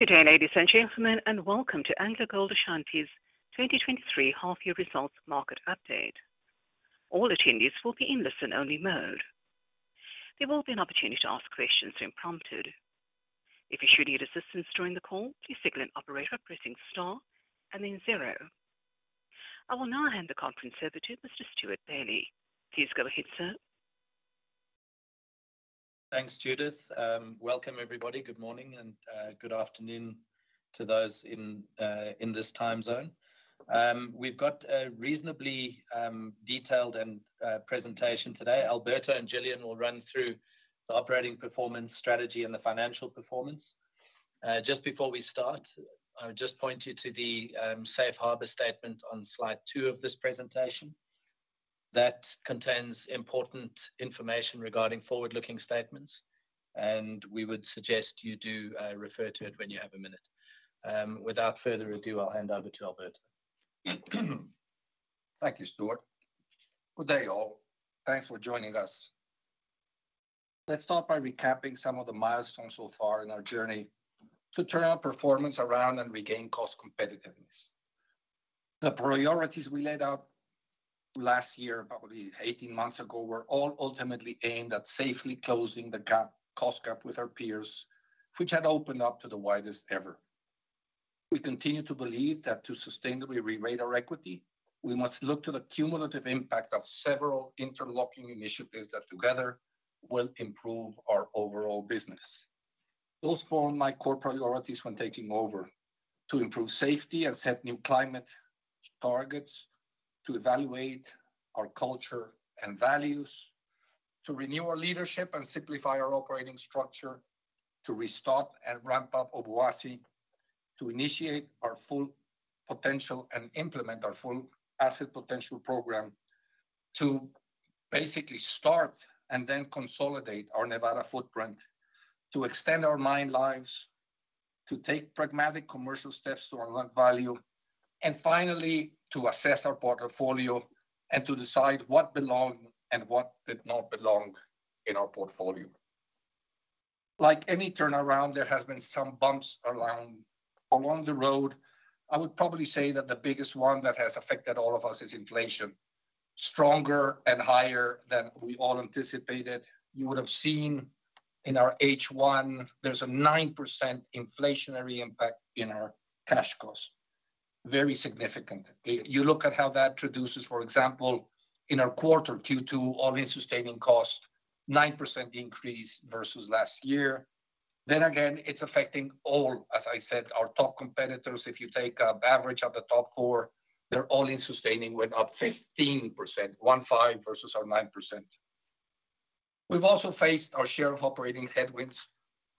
Good day, ladies and gentlemen, and welcome to AngloGold Ashanti's 2023 half-year results market update. All attendees will be in listen-only mode. There will be an opportunity to ask questions when prompted. If you should need assistance during the call, please signal an operator by pressing star and then zero. I will now hand the conference over to Mr. Stuart Bailey. Please go ahead, sir. Thanks, Judith. Welcome, everybody. Good morning, and good afternoon to those in this time zone. We've got a reasonably detailed and presentation today. Alberto and Gillian will run through the operating performance, strategy, and the financial performance. Just before we start, I would just point you to the safe harbor statement on slide 2 of this presentation. That contains important information regarding forward-looking statements. We would suggest you do refer to it when you have a minute. Without further ado, I'll hand over to Alberto. Thank you, Stuart. Good day, all. Thanks for joining us. Let's start by recapping some of the milestones so far in our journey to turn our performance around and regain cost competitiveness. The priorities we laid out last year, probably 18 months ago, were all ultimately aimed at safely closing the gap, cost gap with our peers, which had opened up to the widest ever. We continue to believe that to sustainably rerate our equity, we must look to the cumulative impact of several interlocking initiatives that together will improve our overall business. Those formed my core priorities when taking over, to improve safety and set new climate targets, to evaluate our culture and values, to renew our leadership and simplify our operating structure, to restart and ramp up Obuasi, to initiate our full potential and implement our full asset potential program, to basically start and then consolidate our Nevada footprint, to extend our mine lives, to take pragmatic commercial steps to unlock value, finally, to assess our portfolio and to decide what belong and what did not belong in our portfolio. Like any turnaround, there has been some bumps around along the road. I would probably say that the biggest one that has affected all of us is inflation, stronger and higher than we all anticipated. You would have seen in our H1, there's a 9% inflationary impact in our cash costs. Very significant. You look at how that reduces, for example, in our quarter Q2, all-in sustaining cost, 9% increase versus last year. Again, it's affecting all, as I said, our top competitors. If you take a average of the top four, they're all-in sustaining went up 15%, one five, versus our 9%. We've also faced our share of operating headwinds,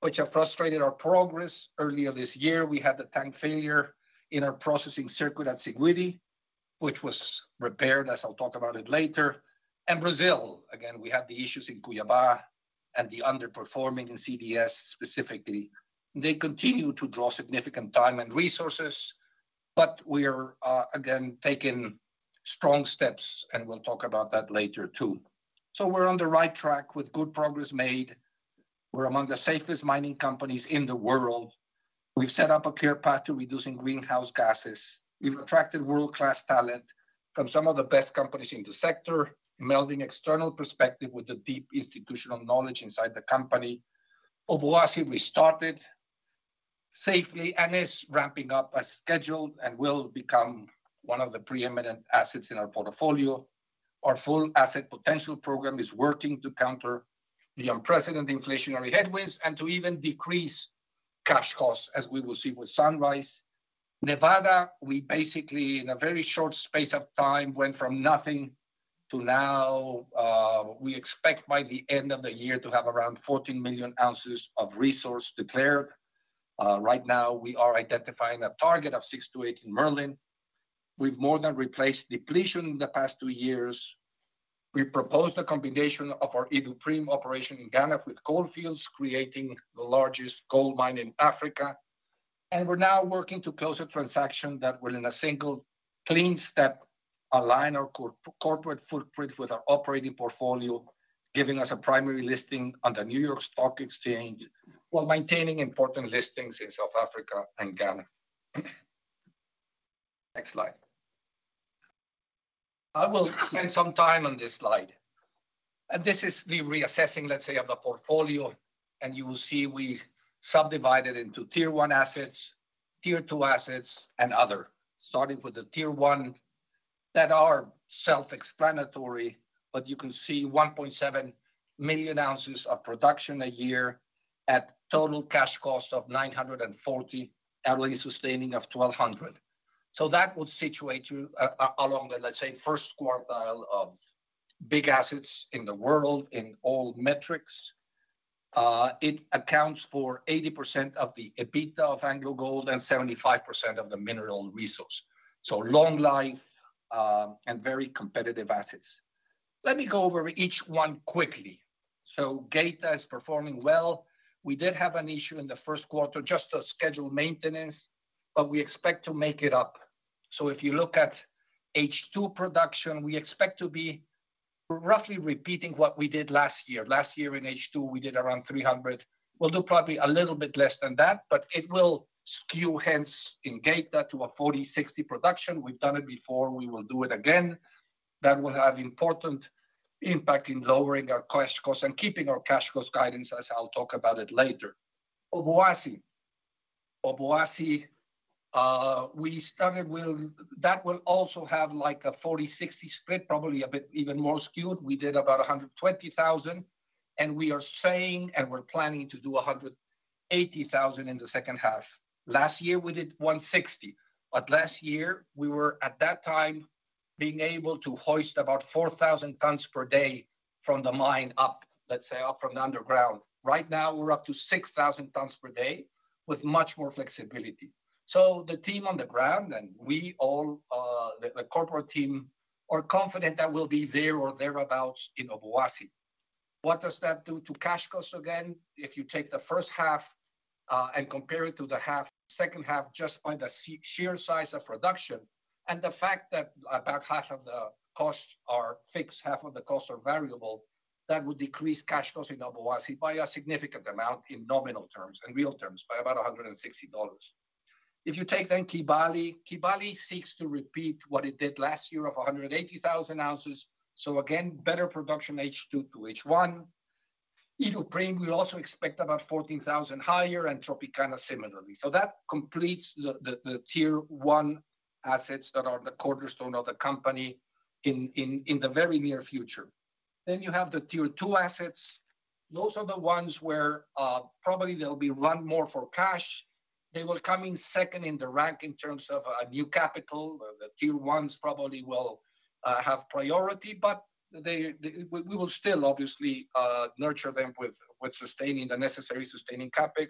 which have frustrated our progress. Earlier this year, we had the tank failure in our processing circuit at Siguiri, which was repaired, as I'll talk about it later. Brazil, again, we had the issues in Cuiaba and the underperforming in CDS specifically. They continue to draw significant time and resources, but we are, again, taking strong steps, and we'll talk about that later, too. We're on the right track with good progress made. We're among the safest mining companies in the world. We've set up a clear path to reducing greenhouse gases. We've attracted world-class talent from some of the best companies in the sector, melding external perspective with the deep institutional knowledge inside the company. Obuasi restarted safely and is ramping up as scheduled and will become one of the preeminent assets in our portfolio. Our full asset potential program is working to counter the unprecedented inflationary headwinds and to even decrease cash costs, as we will see with Sunrise. Nevada, we basically, in a very short space of time, went from nothing to now, we expect by the end of the year to have around 14 million ounces of resource declared. Right now, we are identifying a target of 6-8 in Merlin. We've more than replaced depletion in the past 2 years. We proposed a combination of our Idupriem operation in Ghana with Gold Fields, creating the largest gold mine in Africa. We're now working to close a transaction that will, in a single, clean step, align our corporate footprint with our operating portfolio, giving us a primary listing on the New York Stock Exchange, while maintaining important listings in South Africa and Ghana. Next slide. I will spend some time on this slide. This is the reassessing, let's say, of the portfolio. You will see we subdivided into Tier One assets, Tier Two assets, and other. Starting with the Tier One, that are self-explanatory. You can see 1.7 million ounces of production a year at total cash cost of $940, all-in sustaining of $1,200. That would situate you along the, let's say, 1st quartile of big assets in the world in all metrics. It accounts for 80% of the EBITDA of AngloGold and 75% of the mineral resource. Long life, and very competitive assets. Let me go over each one quickly. Geita is performing well. We did have an issue in the 1st quarter, just a scheduled maintenance, but we expect to make it up. If you look at H2 production, we expect to be roughly repeating what we did last year. Last year in H2, we did around 300. We'll do probably a little bit less than that, but it will skew hence in Geita that to a 40-60 production. We've done it before, we will do it again. That will have important impact in lowering our cash costs and keeping our cash costs guidance, as I'll talk about it later. Obuasi. Obuasi, we started that will also have, like, a 40-60 split, probably a bit even more skewed. We did about 120,000, and we are saying, and we're planning to do 180,000 in the second half. Last year, we did 160, but last year we were, at that time, being able to hoist about 4,000 tons per day from the mine up, let's say, up from the underground. Right now, we're up to 6,000 tons per day with much more flexibility. The team on the ground, and we all, the, the corporate team, are confident that we'll be there or thereabout in Obuasi. What does that do to cash costs? If you take the first half, and compare it to the half, second half, just by the sheer size of production, and the fact that about half of the costs are fixed, half of the costs are variable, that would decrease cash costs in Obuasi by a significant amount in nominal terms and real terms by about $160. If you take then Kibali, Kibali seeks to repeat what it did last year of 180,000 ounces. Again, better production, H2 to H1. Idupriem, we also expect about 14,000 higher, and Tropicana similarly. That completes the Tier One assets that are the cornerstone of the company in the very near future. You have the Tier Two assets. Those are the ones where, probably they'll be run more for cash. They will come in second in the rank in terms of new capital. The Tier Ones probably will have priority, We will still obviously nurture them with sustaining the necessary sustaining CapEx.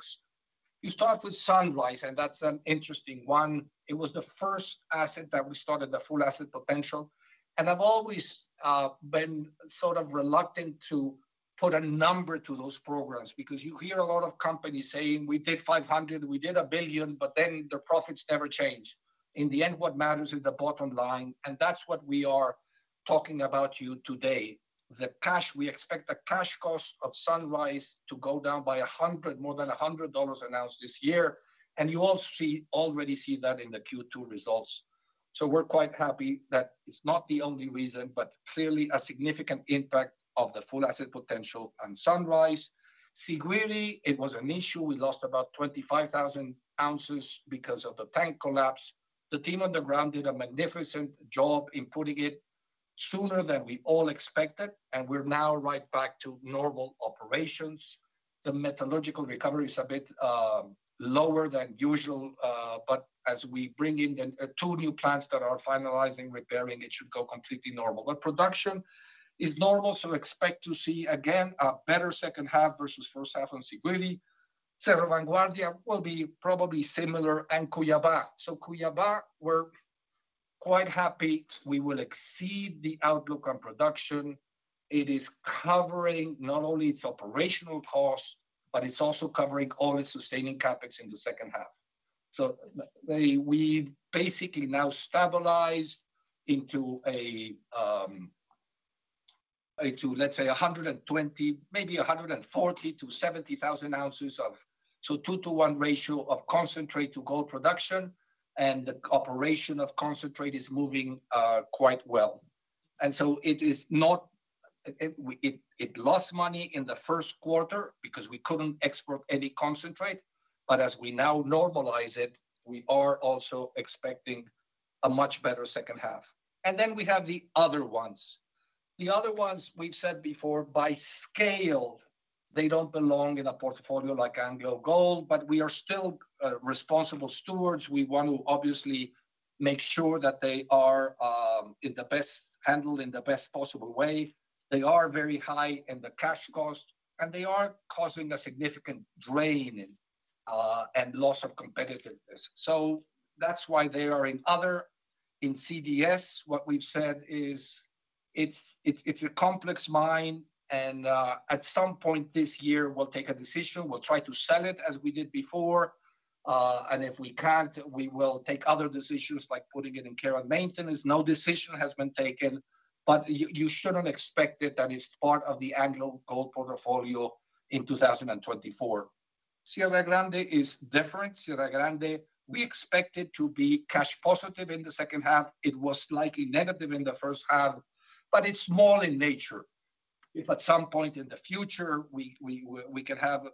You start with Sunrise, that's an interesting one. It was the first asset that we started the full asset potential, I've always been sort of reluctant to put a number to those programs. You hear a lot of companies saying, "We did $500, we did $1 billion," then the profits never change. In the end, what matters is the bottom line, that's what we are talking about to you today. We expect the cash cost of Sunrise to go down by $100, more than $100 an ounce this year. You all see, already see that in the Q2 results. We're quite happy. That is not the only reason, but clearly a significant impact of the full asset potential on Sunrise. Siguiri, it was an issue. We lost about 25,000 ounces because of the tank collapse. The team on the ground did a magnificent job in putting it sooner than we all expected, and we're now right back to normal operations. The metallurgical recovery is a bit lower than usual, as we bring in the two new plants that are finalizing repairing, it should go completely normal. Production is normal. Expect to see, again, a better second half versus first half on Siguiri. Cerro Vanguardia will be probably similar, Cuiaba. Cuiaba, we're quite happy. We will exceed the outlook on production. It is covering not only its operational costs, but it's also covering all its sustaining CapEx in the second half. we, we basically now stabilise into a, a to, let's say, 120, maybe 140 to 70 thousand ounces of... 2 to 1 ratio of concentrate to gold production, and the operation of concentrate is moving quite well. So it, it, it lost money in the first quarter because we couldn't export any concentrate, but as we now normalise it, we are also expecting a much better second half. Then we have the other ones. The other ones we've said before, by scale, they don't belong in a portfolio like Anglo Gold, but we are still responsible stewards. We want to obviously make sure that they are handled in the best possible way. They are very high in the cash cost, and they are causing a significant drain and loss of competitiveness. That's why they are in other. In CDS, what we've said is, it's a complex mine, and at some point this year, we'll take a decision. We'll try to sell it as we did before, and if we can't, we will take other decisions, like putting it in care and maintenance. No decision has been taken, but you shouldn't expect it, that it's part of the Anglo Gold portfolio in 2024. Sierra Grande is different. Sierra Grande, we expect it to be cash positive in the second half. It was slightly negative in the first half, but it's small in nature. If at some point in the future, we, we, we can have,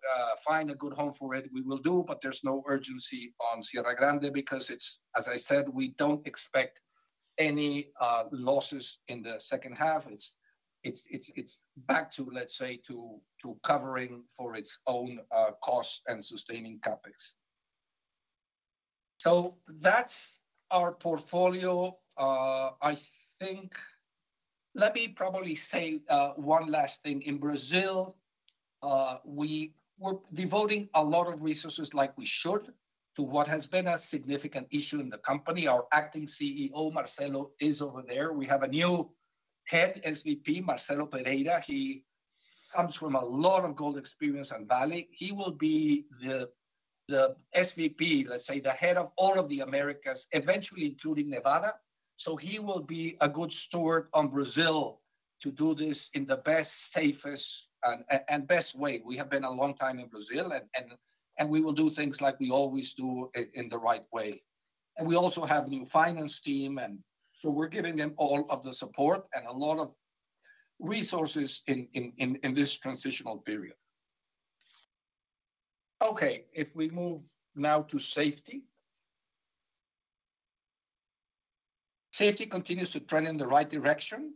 find a good home for it, we will do, but there's no urgency on Sierra Grande because it's... As I said, we don't expect any losses in the second half. It's, it's, it's, it's back to, let's say, to, to covering for its own cost and sustaining CapEx. That's our portfolio. I think-- Let me probably say one last thing. In Brazil, we were devoting a lot of resources like we should, to what has been a significant issue in the company. Our Acting CEO, Marcelo, is over there. We have a new head, SVP, Marcelo Pereira. He... comes from a lot of gold experience in Vale. He will be the SVP, let's say, the head of all of the Americas, eventually including Nevada. He will be a good steward on Brazil to do this in the best, safest, and best way. We have been a long time in Brazil, and we will do things like we always do in the right way. We also have new finance team, and so we're giving them all of the support and a lot of resources in this transitional period. Okay, if we move now to safety. Safety continues to trend in the right direction.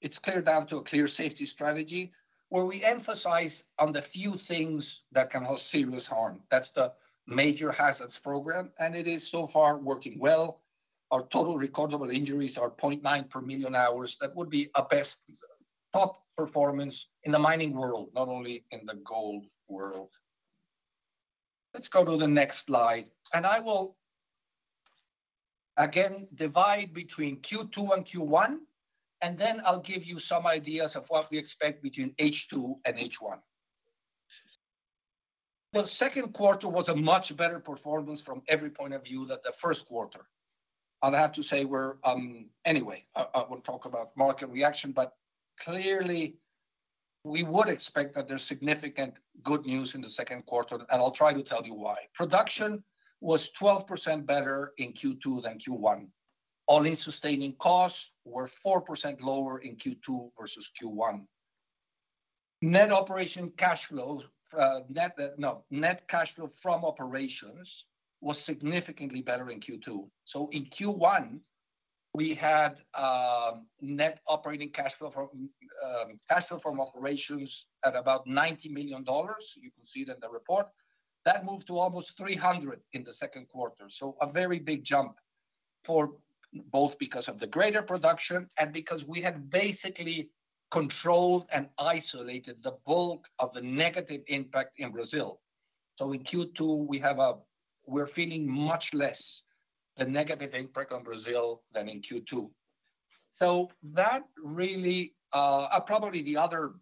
It's clear down to a clear safety strategy, where we emphasize on the few things that can cause serious harm. That's the Major Hazards program, and it is so far working well. Our total recordable injuries are 0.9 per million hours. That would be a best top performance in the mining world, not only in the gold world. Let's go to the next slide. I will again divide between Q2 and Q1, and then I'll give you some ideas of what we expect between H2 and H1. The second quarter was a much better performance from every point of view than the first quarter. I have to say we're... Anyway, I, I won't talk about market reaction, but clearly, we would expect that there's significant good news in the second quarter, and I'll try to tell you why. Production was 12% better in Q2 than Q1. All-in sustaining costs were 4% lower in Q2 versus Q1. Net operation cash flow, no, net cash flow from operations was significantly better in Q2. In Q1, we had net operating cash flow from cash flow from operations at about $90 million. You can see it in the report. That moved to almost $300 million in the second quarter. A very big jump for both because of the greater production and because we had basically controlled and isolated the bulk of the negative impact in Brazil. In Q2, we're feeling much less the negative impact on Brazil than in Q2. Probably the other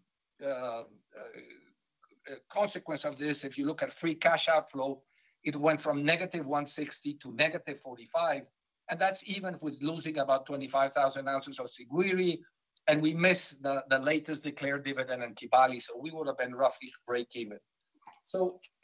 consequence of this, if you look at free cash outflow, it went from negative $160 million to negative $45 million, and that's even with losing about 25,000 ounces of Siguiri, and we missed the latest declared dividend in Kibali, so we would have been roughly breakeven.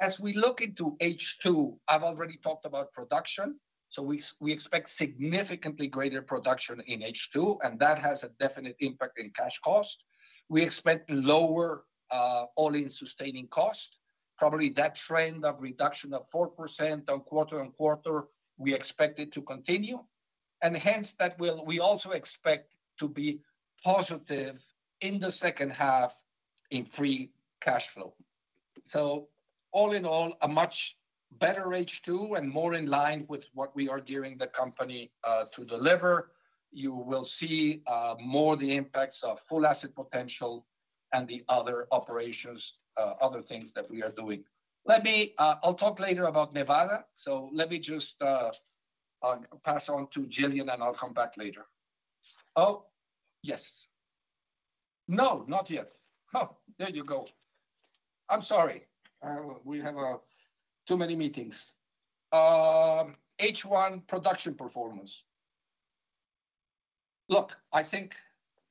As we look into H2, I've already talked about production, we expect significantly greater production in H2, and that has a definite impact in cash cost. We expect lower all-in sustaining cost. Probably that trend of reduction of 4% on quarter-over-quarter, we expect it to continue, and hence, that will. We also expect to be positive in the second half in free cash flow. All in all, a much better H2 and more in line with what we are gearing the company to deliver. You will see more the impacts of full asset potential and the other operations, other things that we are doing. Let me, I'll talk later about Nevada, so let me just, I'll pass on to Gillian, and I'll come back later. Oh, yes. No, not yet. Oh, there you go. I'm sorry. We have too many meetings. H1 production performance. Look, I think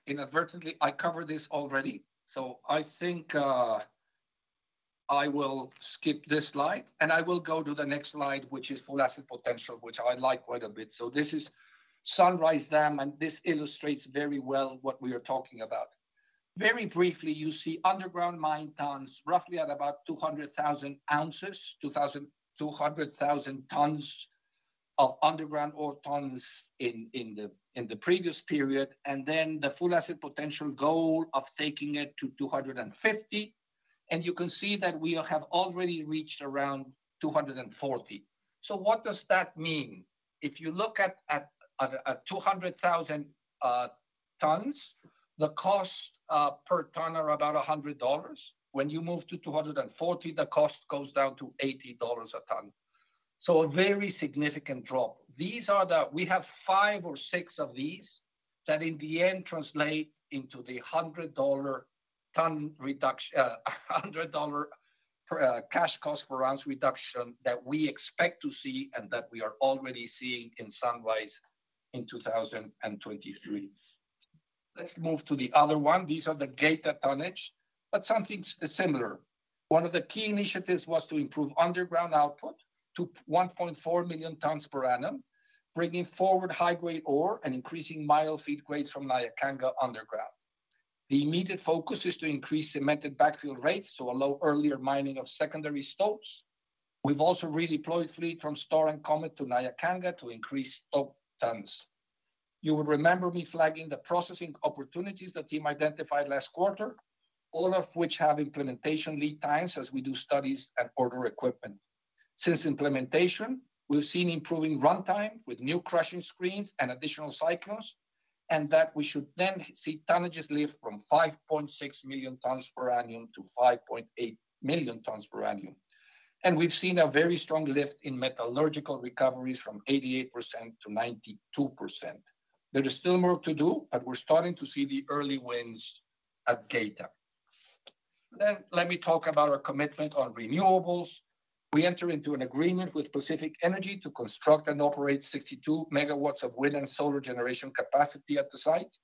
inadvertently I covered this already, I think I will skip this slide, and I will go to the next slide, which is full asset potential, which I like quite a bit. This is Sunrise Dam, and this illustrates very well what we are talking about. Very briefly, you see underground mine tonnes roughly at about 200,000 ounces, 2,200,000 tonnes of underground ore tonnes in, in the, in the previous period, and then the full asset potential goal of taking it to 250, and you can see that we have already reached around 240. What does that mean? If you look at, at, at, at 200,000 tonnes, the cost per tonne are about $100. When you move to 240, the cost goes down to $80 a tonne. A very significant drop. These are the we have 5 or 6 of these that in the end translate into the $100 per tonne reduction, $100 per cash cost per ounce reduction that we expect to see and that we are already seeing in Sunrise in 2023. Let's move to the other one. These are the gate tonnage, something similar. One of the key initiatives was to improve underground output to 1.4 million tonnes per annum, bringing forward high-grade ore and increasing mill feed grades from Nyakanga underground. The immediate focus is to increase cemented backfill rates to allow earlier mining of secondary stopes. We've also redeployed fleet from Star and Comet to Nyakanga to increase stope tonnes. You will remember me flagging the processing opportunities the team identified last quarter, all of which have implementation lead times as we do studies and order equipment. Since implementation, we've seen improving runtime with new crushing screens and additional cyclones, that we should then see tonnages lift from 5.6 million tonnes per annum to 5.8 million tonnes per annum. We've seen a very strong lift in metallurgical recoveries from 88% to 92%. There is still more to do, but we're starting to see the early wins at[Geita]. Let me talk about our commitment on renewables. We entered into an agreement with Pacific Energy to construct and operate 62 megawatts of wind and solar generation capacity at the site.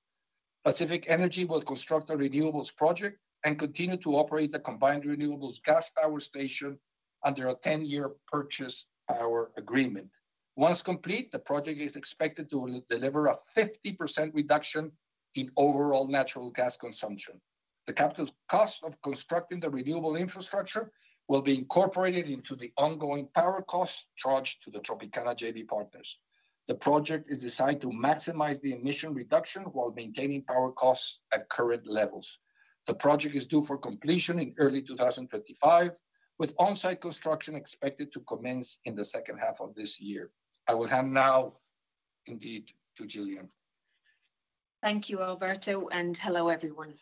Pacific Energy will construct a renewables project and continue to operate the combined renewables gas power station under a 10-year purchase power agreement. Once complete, the project is expected to deliver a 50% reduction in overall natural gas consumption. The capital cost of constructing the renewable infrastructure will be incorporated into the ongoing power costs charged to the Tropicana JV partners. The project is designed to maximize the emission reduction while maintaining power costs at current levels. The project is due for completion in early 2025, with on-site construction expected to commence in the second half of this year. I will hand now, indeed, to Gillian. Thank you, Alberto. Hello, everyone.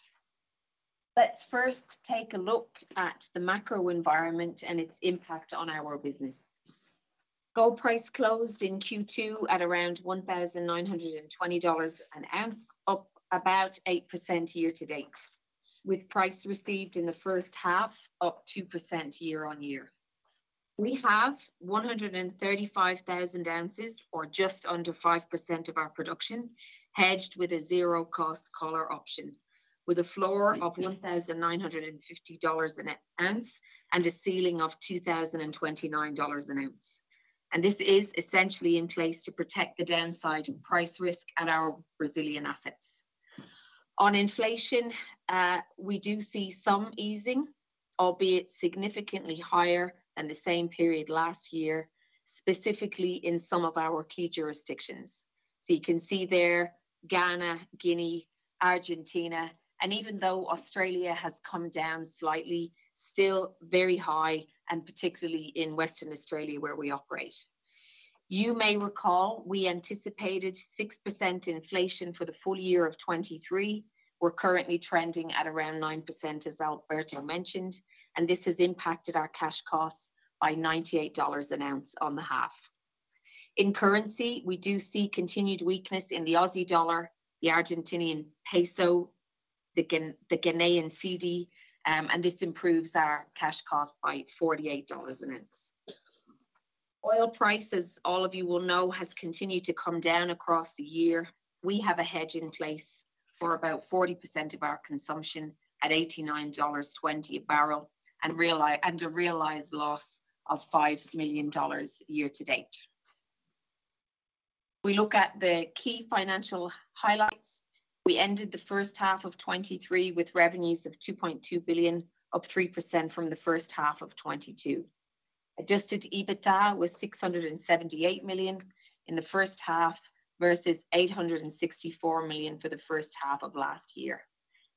Let's first take a look at the macro environment and its impact on our business. Gold price closed in Q2 at around $1,920 an ounce, up about 8% year-to-date, with price received in the first half up 2% year-on-year. We have 135,000 ounces, or just under 5% of our production, hedged with a zero-cost collar option, with a floor of $1,950 an ounce and a ceiling of $2,029 an ounce. This is essentially in place to protect the downside of price risk at our Brazilian assets. On inflation, we do see some easing, albeit significantly higher than the same period last year, specifically in some of our key jurisdictions. You can see there, Ghana, Guinea, Argentina, and even though Australia has come down slightly, still very high, and particularly in Western Australia, where we operate. You may recall, we anticipated 6% inflation for the full year of 2023. We're currently trending at around 9%, as Alberto mentioned, and this has impacted our cash costs by $98 an ounce on the half. In currency, we do see continued weakness in the Australian dollar, the Argentine peso, the Ghanaian cedi, and this improves our cash cost by $48 an ounce. Oil prices, all of you will know, has continued to come down across the year. We have a hedge in place for about 40% of our consumption at $89.20 a barrel, and a realized loss of $5 million year to date. We look at the key financial highlights. We ended the first half of 2023 with revenues of $2.2 billion, up 3% from the first half of 2022. Adjusted EBITDA was $678 million in the first half versus $864 million for the first half of last year.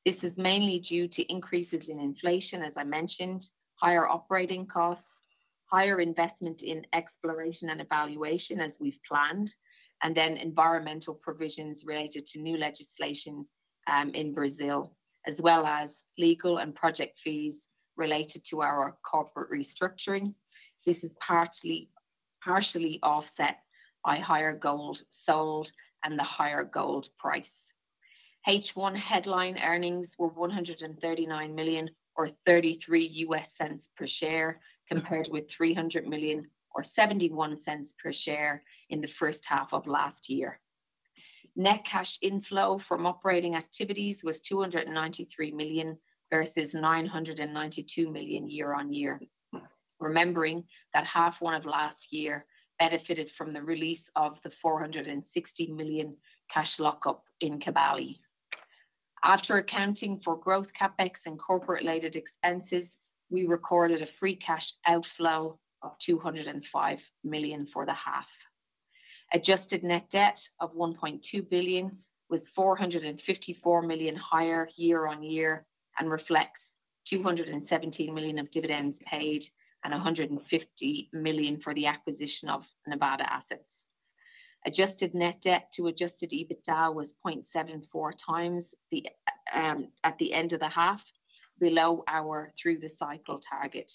This is mainly due to increases in inflation, as I mentioned, higher operating costs, higher investment in exploration and evaluation as we've planned, and then environmental provisions related to new legislation in Brazil, as well as legal and project fees related to our corporate restructuring. This is partially offset by higher gold sold and the higher gold price. H1 headline earnings were $139 million or $0.33 per share, compared with $300 million or $0.71 per share in the first half of last year. Net cash inflow from operating activities was $293 million, versus $992 million year-on-year. Remembering that half 1 of last year benefited from the release of the $460 million cash lockup in Kibali. After accounting for growth CapEx and corporate-related expenses, we recorded a free cash outflow of $205 million for the half. Adjusted net debt of $1.2 billion, with $454 million higher year-on-year, and reflects $217 million of dividends paid and $150 million for the acquisition of Nevada assets. Adjusted net debt to adjusted EBITDA was 0.74x the at the end of the half, below our through-the-cycle target.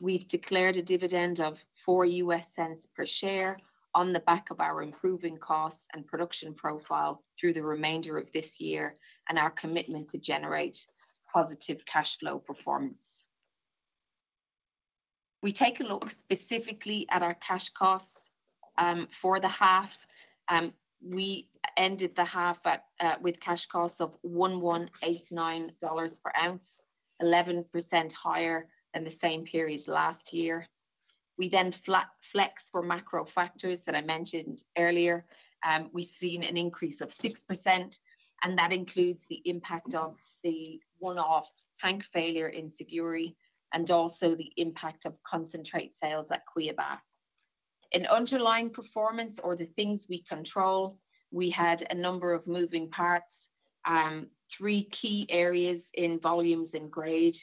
We've declared a dividend of $0.04 per share on the back of our improving costs and production profile through the remainder of this year and our commitment to generate positive cash flow performance. We take a look specifically at our cash costs for the half. We ended the half with cash costs of $1,189 per ounce, 11% higher than the same period last year. We flat-flex for macro factors that I mentioned earlier. We've seen an increase of 6%, and that includes the impact of the one-off tank failure in Siguiri and also the impact of concentrate sales at Cuiabá. In underlying performance or the things we control, we had a number of moving parts, three key areas in volumes and grade.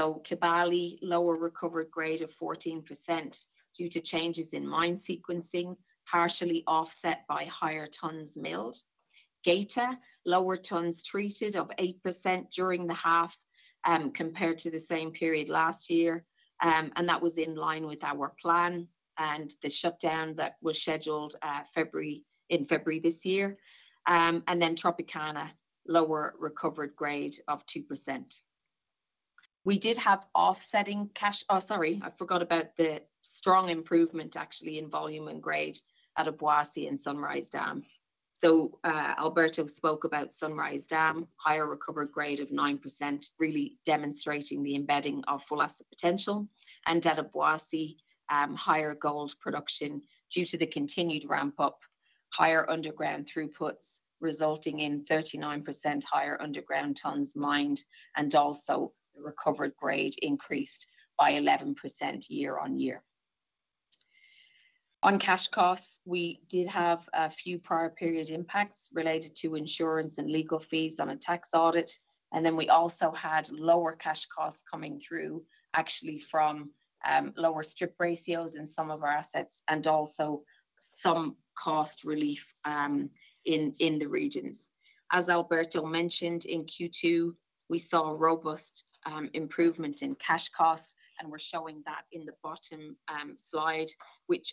Kibali, lower recovered grade of 14% due to changes in mine sequencing, partially offset by higher tonnes milled. Geita, lower tonnes treated of 8% during the half, compared to the same period last year. That was in line with our plan and the shutdown that was scheduled, February, in February this year. Tropicana, lower recovered grade of 2%. We did have offsetting cash. Oh, sorry, I forgot about the strong improvement actually in volume and grade at Obuasi and Sunrise Dam. Alberto spoke about Sunrise Dam, higher recovered grade of 9%, really demonstrating the embedding of full asset potential. At Obuasi, higher gold production due to the continued ramp up, higher underground throughputs, resulting in 39% higher underground tonnes mined, and also the recovered grade increased by 11% year on year. On cash costs, we did have a few prior period impacts related to insurance and legal fees on a tax audit, and then we also had lower cash costs coming through, actually from lower strip ratios in some of our assets, and also some cost relief in the regions. As Alberto mentioned, in Q2, we saw a robust improvement in cash costs, and we're showing that in the bottom slide,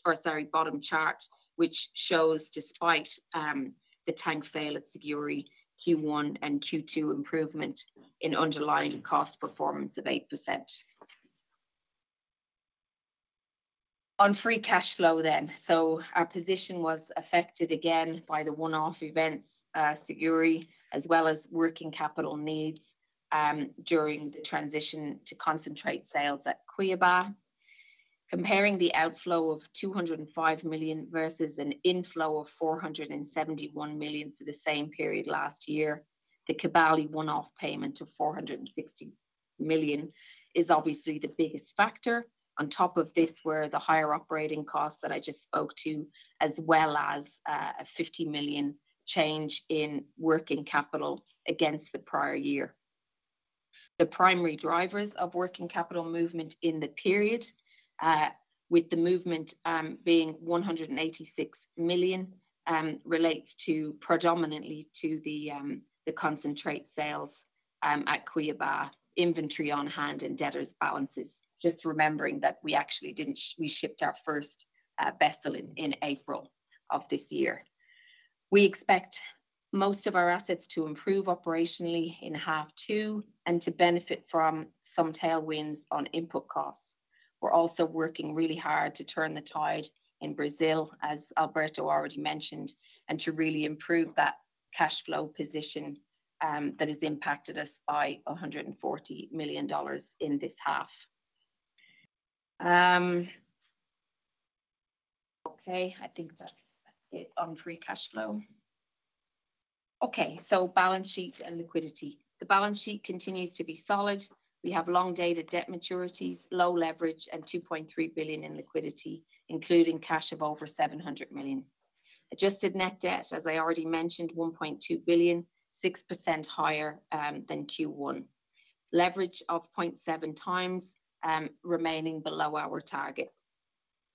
or sorry, bottom chart, which shows despite the tank fail at Siguiri, Q1 and Q2 improvement in underlying cost performance of 8%. On free cash flow. Our position was affected again by the one-off events, Siguiri, as well as working capital needs during the transition to concentrate sales at Cuiaba. Comparing the outflow of $205 million versus an inflow of $471 million for the same period last year, the Kibali one-off payment of $460 million is obviously the biggest factor. On top of this were the higher operating costs that I just spoke to, as well as a $50 million change in working capital against the prior year. The primary drivers of working capital movement in the period, with the movement being $186 million, relates to predominantly to the, the concentrate sales at Cuiaba, inventory on hand and debtors balances. Just remembering that we actually didn't we shipped our first vessel in April of this year. We expect most of our assets to improve operationally in half two, and to benefit from some tailwinds on input costs. We're also working really hard to turn the tide in Brazil, as Alberto already mentioned, and to really improve that cash flow position, that has impacted us by $140 million in this half. Okay, I think that's it on free cash flow. Balance sheet and liquidity. The balance sheet continues to be solid. We have long-dated debt maturities, low leverage, and $2.3 billion in liquidity, including cash of over $700 million. Adjusted net debt, as I already mentioned, $1.2 billion, 6% higher than Q1. Leverage of 0.7 times, remaining below our target.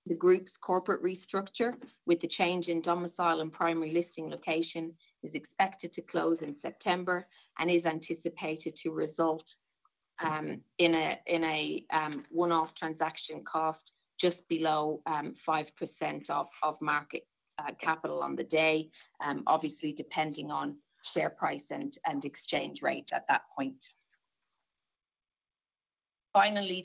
The group's corporate restructure, with the change in domicile and primary listing location, is expected to close in September and is anticipated to result in a one-off transaction cost just below 5% of market capital on the day, obviously, depending on share price and exchange rate at that point. Finally,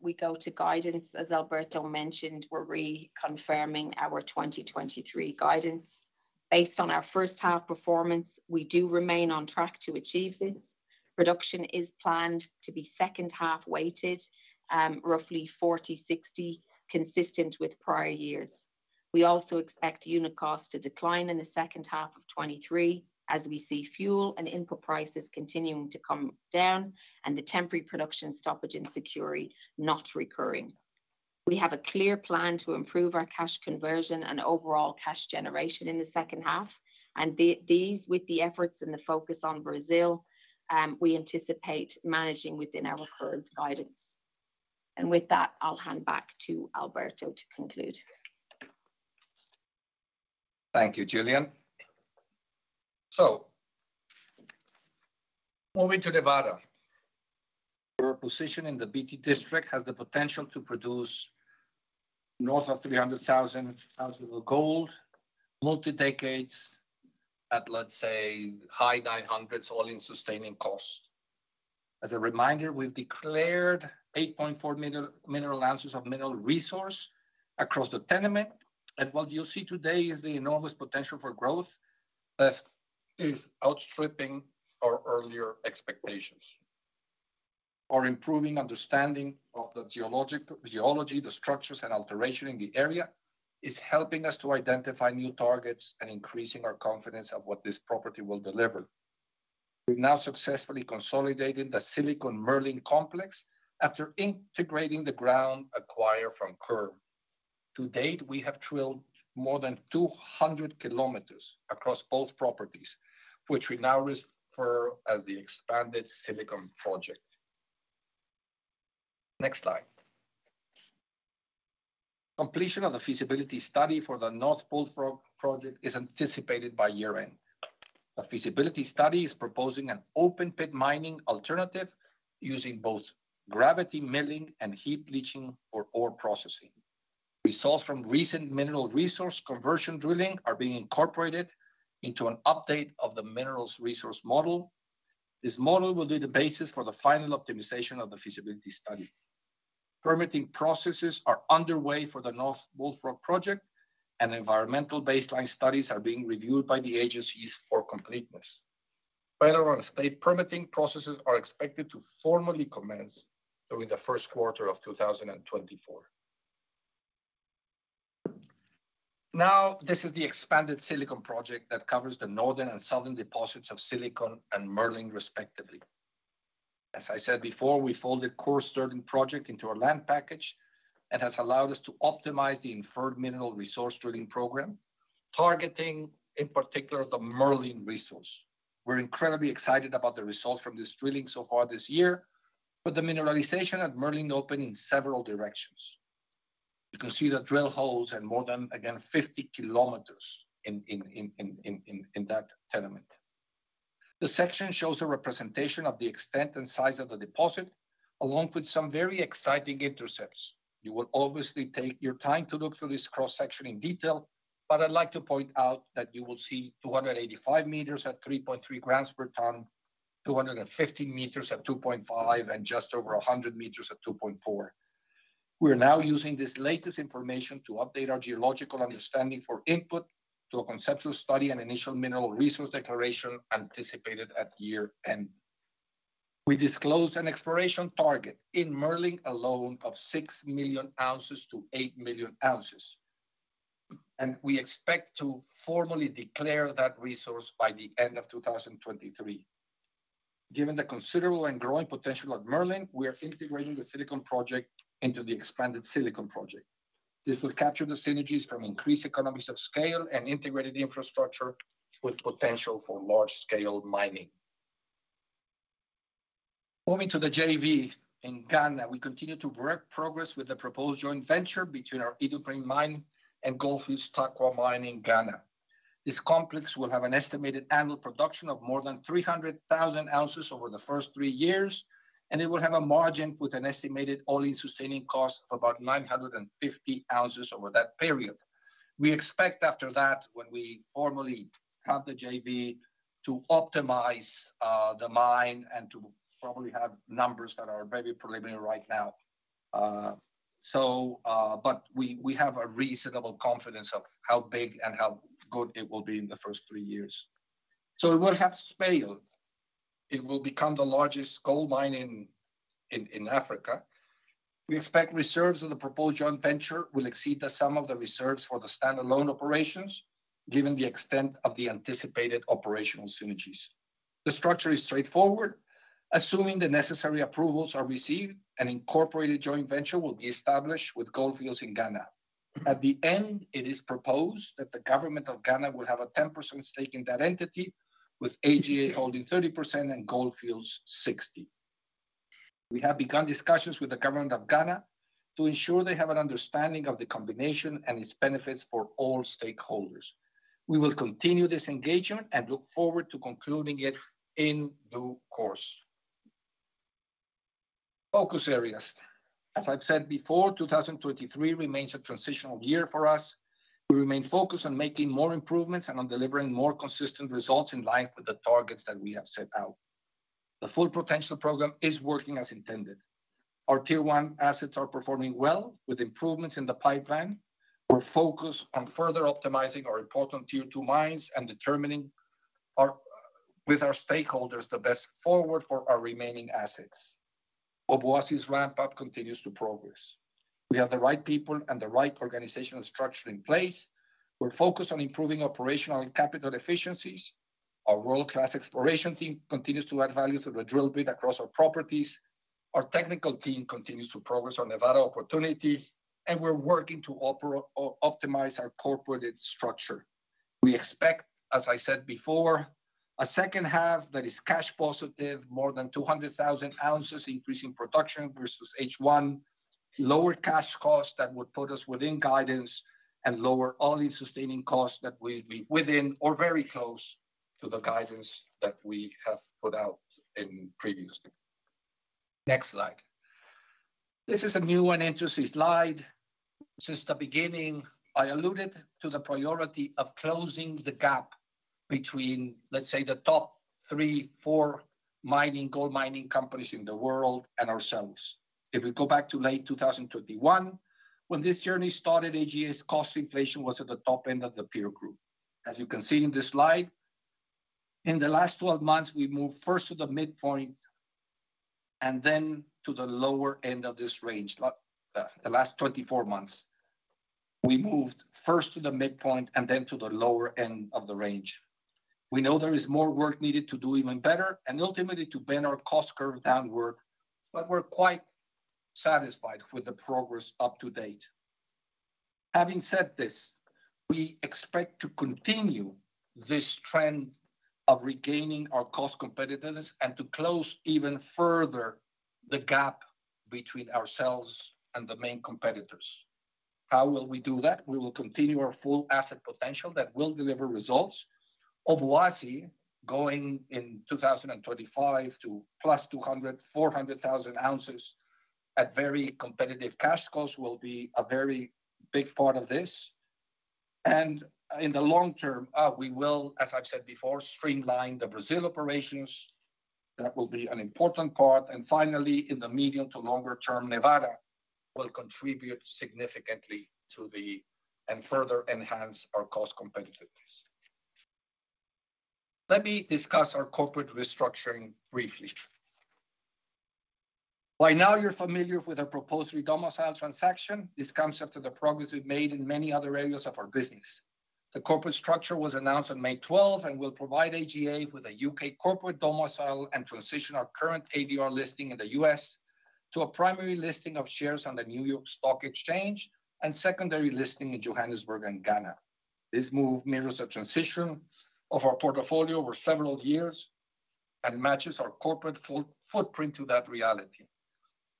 we go to guidance. As Alberto mentioned, we're reconfirming our 2023 guidance. Based on our first half performance, we do remain on track to achieve this. Reduction is planned to be second half weighted, roughly 40/60, consistent with prior years. We also expect unit costs to decline in the second half of 2023, as we see fuel and input prices continuing to come down and the temporary production stoppage in Siguiri not recurring. We have a clear plan to improve our cash conversion and overall cash generation in the second half, and these, with the efforts and the focus on Brazil, we anticipate managing within our current guidance. With that, I'll hand back to Alberto to conclude. Thank you, Gillian. Moving to Nevada. Our position in the Beatty District has the potential to produce north of 300,000 ounces of gold, multi-decades at, let's say, high 900s, all-in sustaining costs. As a reminder, we've declared 8.4 mineral answers of mineral resource across the tenement, and what you see today is the enormous potential for growth that is outstripping our earlier expectations. Our improving understanding of the geology, the structures and alteration in the area is helping us to identify new targets and increasing our confidence of what this property will deliver. We've now successfully consolidated the Silicon-Merlin complex after integrating the ground acquired from Coeur. To date, we have drilled more than 200 kilometers across both properties, which we now refer as the expanded Silicon Project. Next slide. Completion of the feasibility study for the North Bullfrog Project is anticipated by year-end. The feasibility study is proposing an open-pit mining alternative using both gravity milling and heap leaching for ore processing. Results from recent mineral resource conversion drilling are being incorporated into an update of the minerals resource model. This model will be the basis for the final optimization of the feasibility study. Permitting processes are underway for the North Bullfrog Project, and environmental baseline studies are being reviewed by the agencies for completeness. Federal and state permitting processes are expected to formally commence during the first quarter of 2024. Now, this is the expanded Silicon Project that covers the northern and southern deposits of Silicon and Merlin, respectively. As I said before, we folded Coeur Sterling Project into our land package and has allowed us to optimize the inferred mineral resource drilling program, targeting, in particular, the Merlin resource. We're incredibly excited about the results from this drilling so far this year. The mineralization at Merlin open in several directions. You can see the drill holes and more than, again, 50 kilometers in that tenement. The section shows a representation of the extent and size of the deposit, along with some very exciting intercepts. You will obviously take your time to look through this cross-section in detail, but I'd like to point out that you will see 285 meters at 3.3 grams per ton, 250m at 2.5, and just over 100m at 2.4. We are now using this latest information to update our geological understanding for input to a conceptual study and initial mineral resource declaration anticipated at year-end. We disclosed an exploration target in Merlin alone of 6 million ounces to 8 million ounces, and we expect to formally declare that resource by the end of 2023. Given the considerable and growing potential at Merlin, we are integrating the Silicon Project into the expanded Silicon Project. This will capture the synergies from increased economies of scale and integrated infrastructure with potential for large-scale mining. Moving to the JV in Ghana, we continue to work progress with the proposed joint venture between our Idupriem Mine and Gold Fields Tarkwa Mine in Ghana. This complex will have an estimated annual production of more than 300,000 ounces over the first three years, and it will have a margin with an estimated all-in sustaining cost of about 950 ounces over that period. We expect after that, when we formally have the JV, to optimize the mine and to probably have numbers that are very preliminary right now. We have a reasonable confidence of how big and how good it will be in the first three years. It will have scale. It will become the largest gold mine in Africa. We expect reserves of the proposed joint venture will exceed the sum of the reserves for the standalone operations, given the extent of the anticipated operational synergies. The structure is straightforward. Assuming the necessary approvals are received, an incorporated joint venture will be established with Goldfields in Ghana. At the end, it is proposed that the government of Ghana will have a 10% stake in that entity, with AGA holding 30% and Goldfields 60%. We have begun discussions with the government of Ghana to ensure they have an understanding of the combination and its benefits for all stakeholders. We will continue this engagement and look forward to concluding it in due course. Focus areas. As I've said before, 2023 remains a transitional year for us. We remain focused on making more improvements and on delivering more consistent results in line with the targets that we have set out. The full potential program is working as intended. Our Tier One assets are performing well, with improvements in the pipeline. We're focused on further optimizing our important Tier Two mines and determining with our stakeholders, the best forward for our remaining assets. Obuasi's ramp-up continues to progress. We have the right people and the right organizational structure in place. We're focused on improving operational and capital efficiencies. Our world-class exploration team continues to add value through the drill bit across our properties. Our technical team continues to progress on Nevada opportunity, and we're working to optimize our corporate structure. We expect, as I said before, a second half that is cash positive, more than 200,000 ounces, increasing production versus H1, lower cash costs that would put us within guidance and lower all-in sustaining costs that will be within or very close to the guidance that we have put out previously. Next slide. This is a new and interesting slide. Since the beginning, I alluded to the priority of closing the gap between, let's say, the top three, four mining, gold mining companies in the world and ourselves. If we go back to late 2021, when this journey started, AGA's cost inflation was at the top end of the peer group. As you can see in this slide, in the last 12 months, we moved first to the midpoint and then to the lower end of this range. The last 24 months, we moved first to the midpoint and then to the lower end of the range. We know there is more work needed to do even better and ultimately to bend our cost curve downward, but we're quite satisfied with the progress up to date. Having said this. We expect to continue this trend of regaining our cost competitiveness and to close even further the gap between ourselves and the main competitors. How will we do that? We will continue our full asset potential that will deliver results. Obuasi going in 2025 to +200,000, 400,000 ounces at very competitive cash costs will be a very big part of this. In the long term, we will, as I've said before, streamline the Brazil operations. That will be an important part. Finally, in the medium to longer term, Nevada will contribute significantly and further enhance our cost competitiveness. Let me discuss our corporate restructuring briefly. By now, you're familiar with our proposed re-domicile transaction. This comes after the progress we've made in many other areas of our business. The corporate structure was announced on May 12, and will provide AGA with a UK corporate domicile and transition our current ADR listing in The U.S. to a primary listing of shares on the New York Stock Exchange and secondary listing in Johannesburg and Ghana. This move mirrors a transition of our portfolio over several years and matches our corporate footprint to that reality.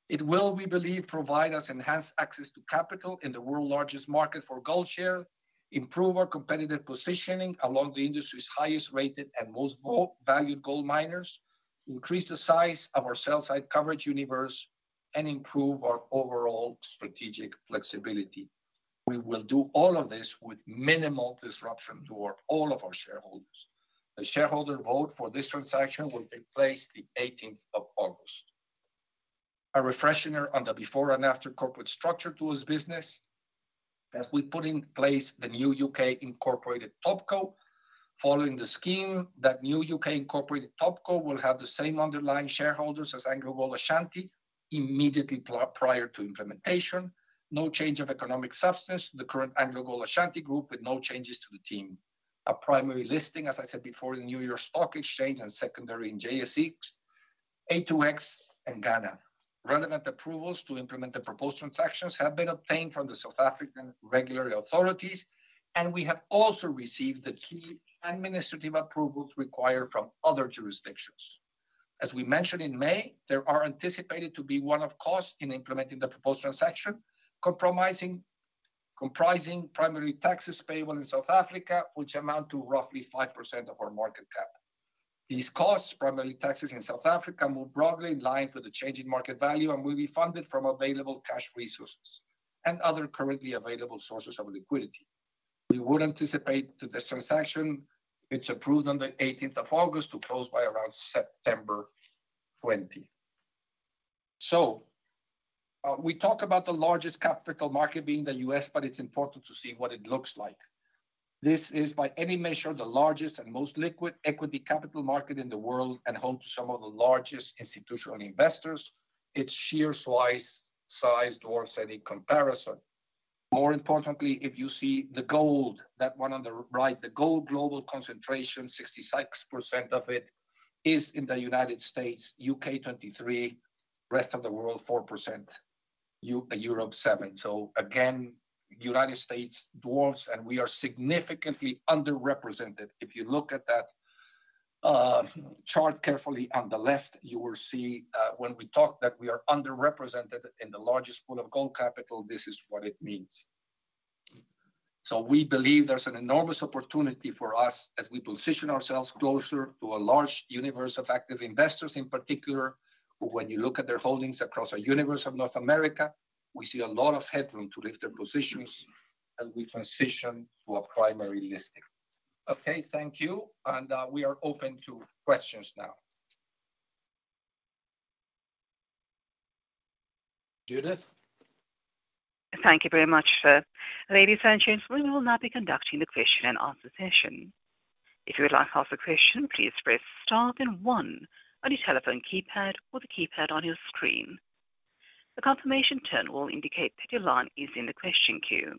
It will, we believe, provide us enhanced access to capital in the world largest market for gold share, improve our competitive positioning along the industry's highest rated and most valued gold miners, increase the size of our sell side coverage universe, and improve our overall strategic flexibility. We will do all of this with minimal disruption to all of our shareholders. The shareholder vote for this transaction will take place the 18th of August. A refresher on the before and after corporate structure to this business. We put in place the new U.K. incorporated TopCo, following the scheme, that new U.K. incorporated TopCo will have the same underlying shareholders as AngloGold Ashanti immediately prior to implementation. No change of economic substance, the current AngloGold Ashanti group with no changes to the team. A primary listing, as I said before, the New York Stock Exchange and secondary in JSE, A2X, and Ghana. Relevant approvals to implement the proposed transactions have been obtained from the South African regulatory authorities, and we have also received the key administrative approvals required from other jurisdictions. We mentioned in May, there are anticipated to be one of cost in implementing the proposed transaction, comprising primarily taxes payable in South Africa, which amount to roughly 5% of our market cap. These costs, primarily taxes in South Africa, move broadly in line with the changing market value and will be funded from available cash resources and other currently available sources of liquidity. We would anticipate that the transaction, if it's approved on the eighteenth of August, to close by around September 20. We talk about the largest capital market being the U.S., but it's important to see what it looks like. This is, by any measure, the largest and most liquid equity capital market in the world and home to some of the largest institutional investors. Its sheer size dwarfs any comparison. More importantly, if you see the gold, that one on the right, the gold global concentration, 66% of it is in The United States, U.K., 23, rest of the world, 4%, Europe, 7. Again, United States dwarfs, and we are significantly underrepresented. If you look at that chart carefully on the left, you will see when we talk that we are underrepresented in the largest pool of gold capital, this is what it means. We believe there's an enormous opportunity for us as we position ourselves closer to a large universe of active investors in particular, who, when you look at their holdings across a universe of North America, we see a lot of headroom to lift their positions as we transition to a primary listing. Thank you, and we are open to questions now. Judith? Thank you very much, sir. Ladies and gentlemen, we will now be conducting the question and answer session. If you would like to ask a question, please press Star then One on your telephone keypad or the keypad on your screen. A confirmation tone will indicate that your line is in the question queue.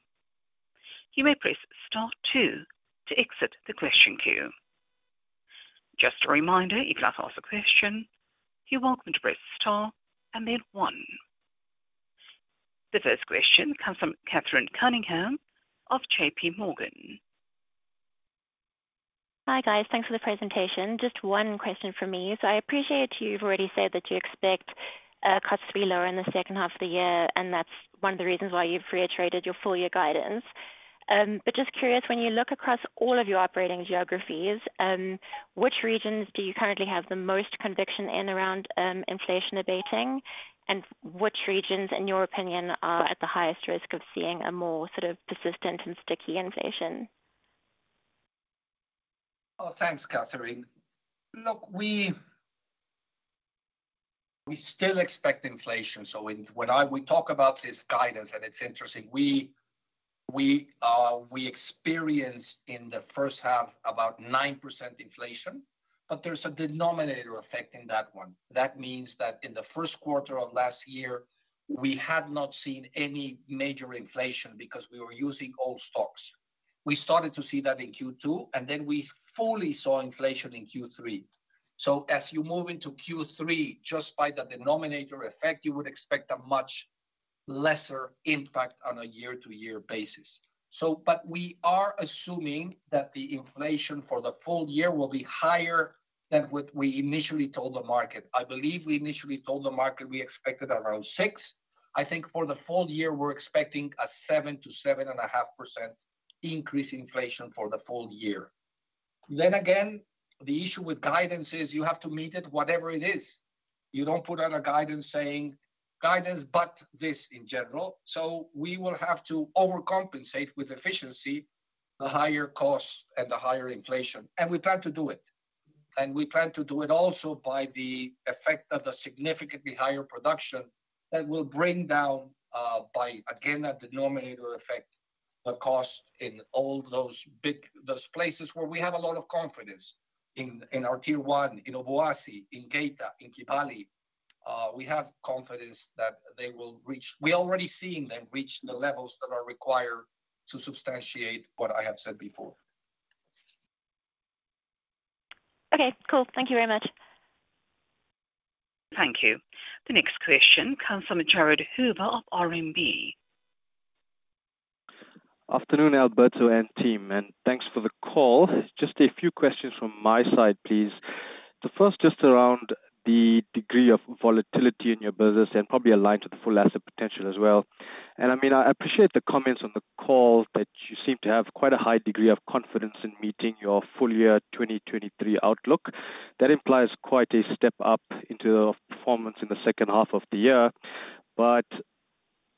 You may press Star Two to exit the question queue. Just a reminder, if you'd like to ask a question, you're welcome to press Star and then One. The first question comes from Catherine Cunningham of J.P. Morgan. Hi, guys. Thanks for the presentation. Just one question from me. I appreciate you've already said that you expect costs to be lower in the second half of the year, and that's one of the reasons why you've reiterated your full year guidance. Just curious, when you look across all of your operating geographies, which regions do you currently have the most conviction in around inflation abating? And which regions, in your opinion, are at the highest risk of seeing a more sort of persistent and sticky inflation? Oh, thanks, Catherine. Look, we, we still expect inflation. When we talk about this guidance, and it's interesting, we, we experienced in the first half about 9% inflation, but there's a denominator effect in that one. That means that in the first quarter of last year, we had not seen any major inflation because we were using old stocks. We started to see that in Q2, and then we fully saw inflation in Q3. As you move into Q3, just by the denominator effect, you would expect a much lesser impact on a year-to-year basis. We are assuming that the inflation for the full year will be higher than what we initially told the market. I believe we initially told the market we expected around 6. I think for the full year, we're expecting a 7%-7.5% increase in inflation for the full year. Again, the issue with guidance is you have to meet it, whatever it is. You don't put out a guidance saying, "Guidance, but this in general." We will have to overcompensate with efficiency, the higher costs and the higher inflation, and we plan to do it. We plan to do it also by the effect of the significantly higher production that will bring down, by again, that denominator effect, the cost in all those places where we have a lot of confidence. In our tier one, in Obuasi, in Geita, in Kibali, we have confidence that they will reach we already seeing them reach the levels that are required to substantiate what I have said before. Okay, cool. Thank you very much. Thank you. The next question comes from Jared Hoover of RMB. Afternoon, Alberto and team, thanks for the call. Just a few questions from my side, please. The first, just around the degree of volatility in your business and probably aligned to the full asset potential as well. I mean, I appreciate the comments on the call that you seem to have quite a high degree of confidence in meeting your full year 2023 outlook. That implies quite a step up into the performance in the second half of the year.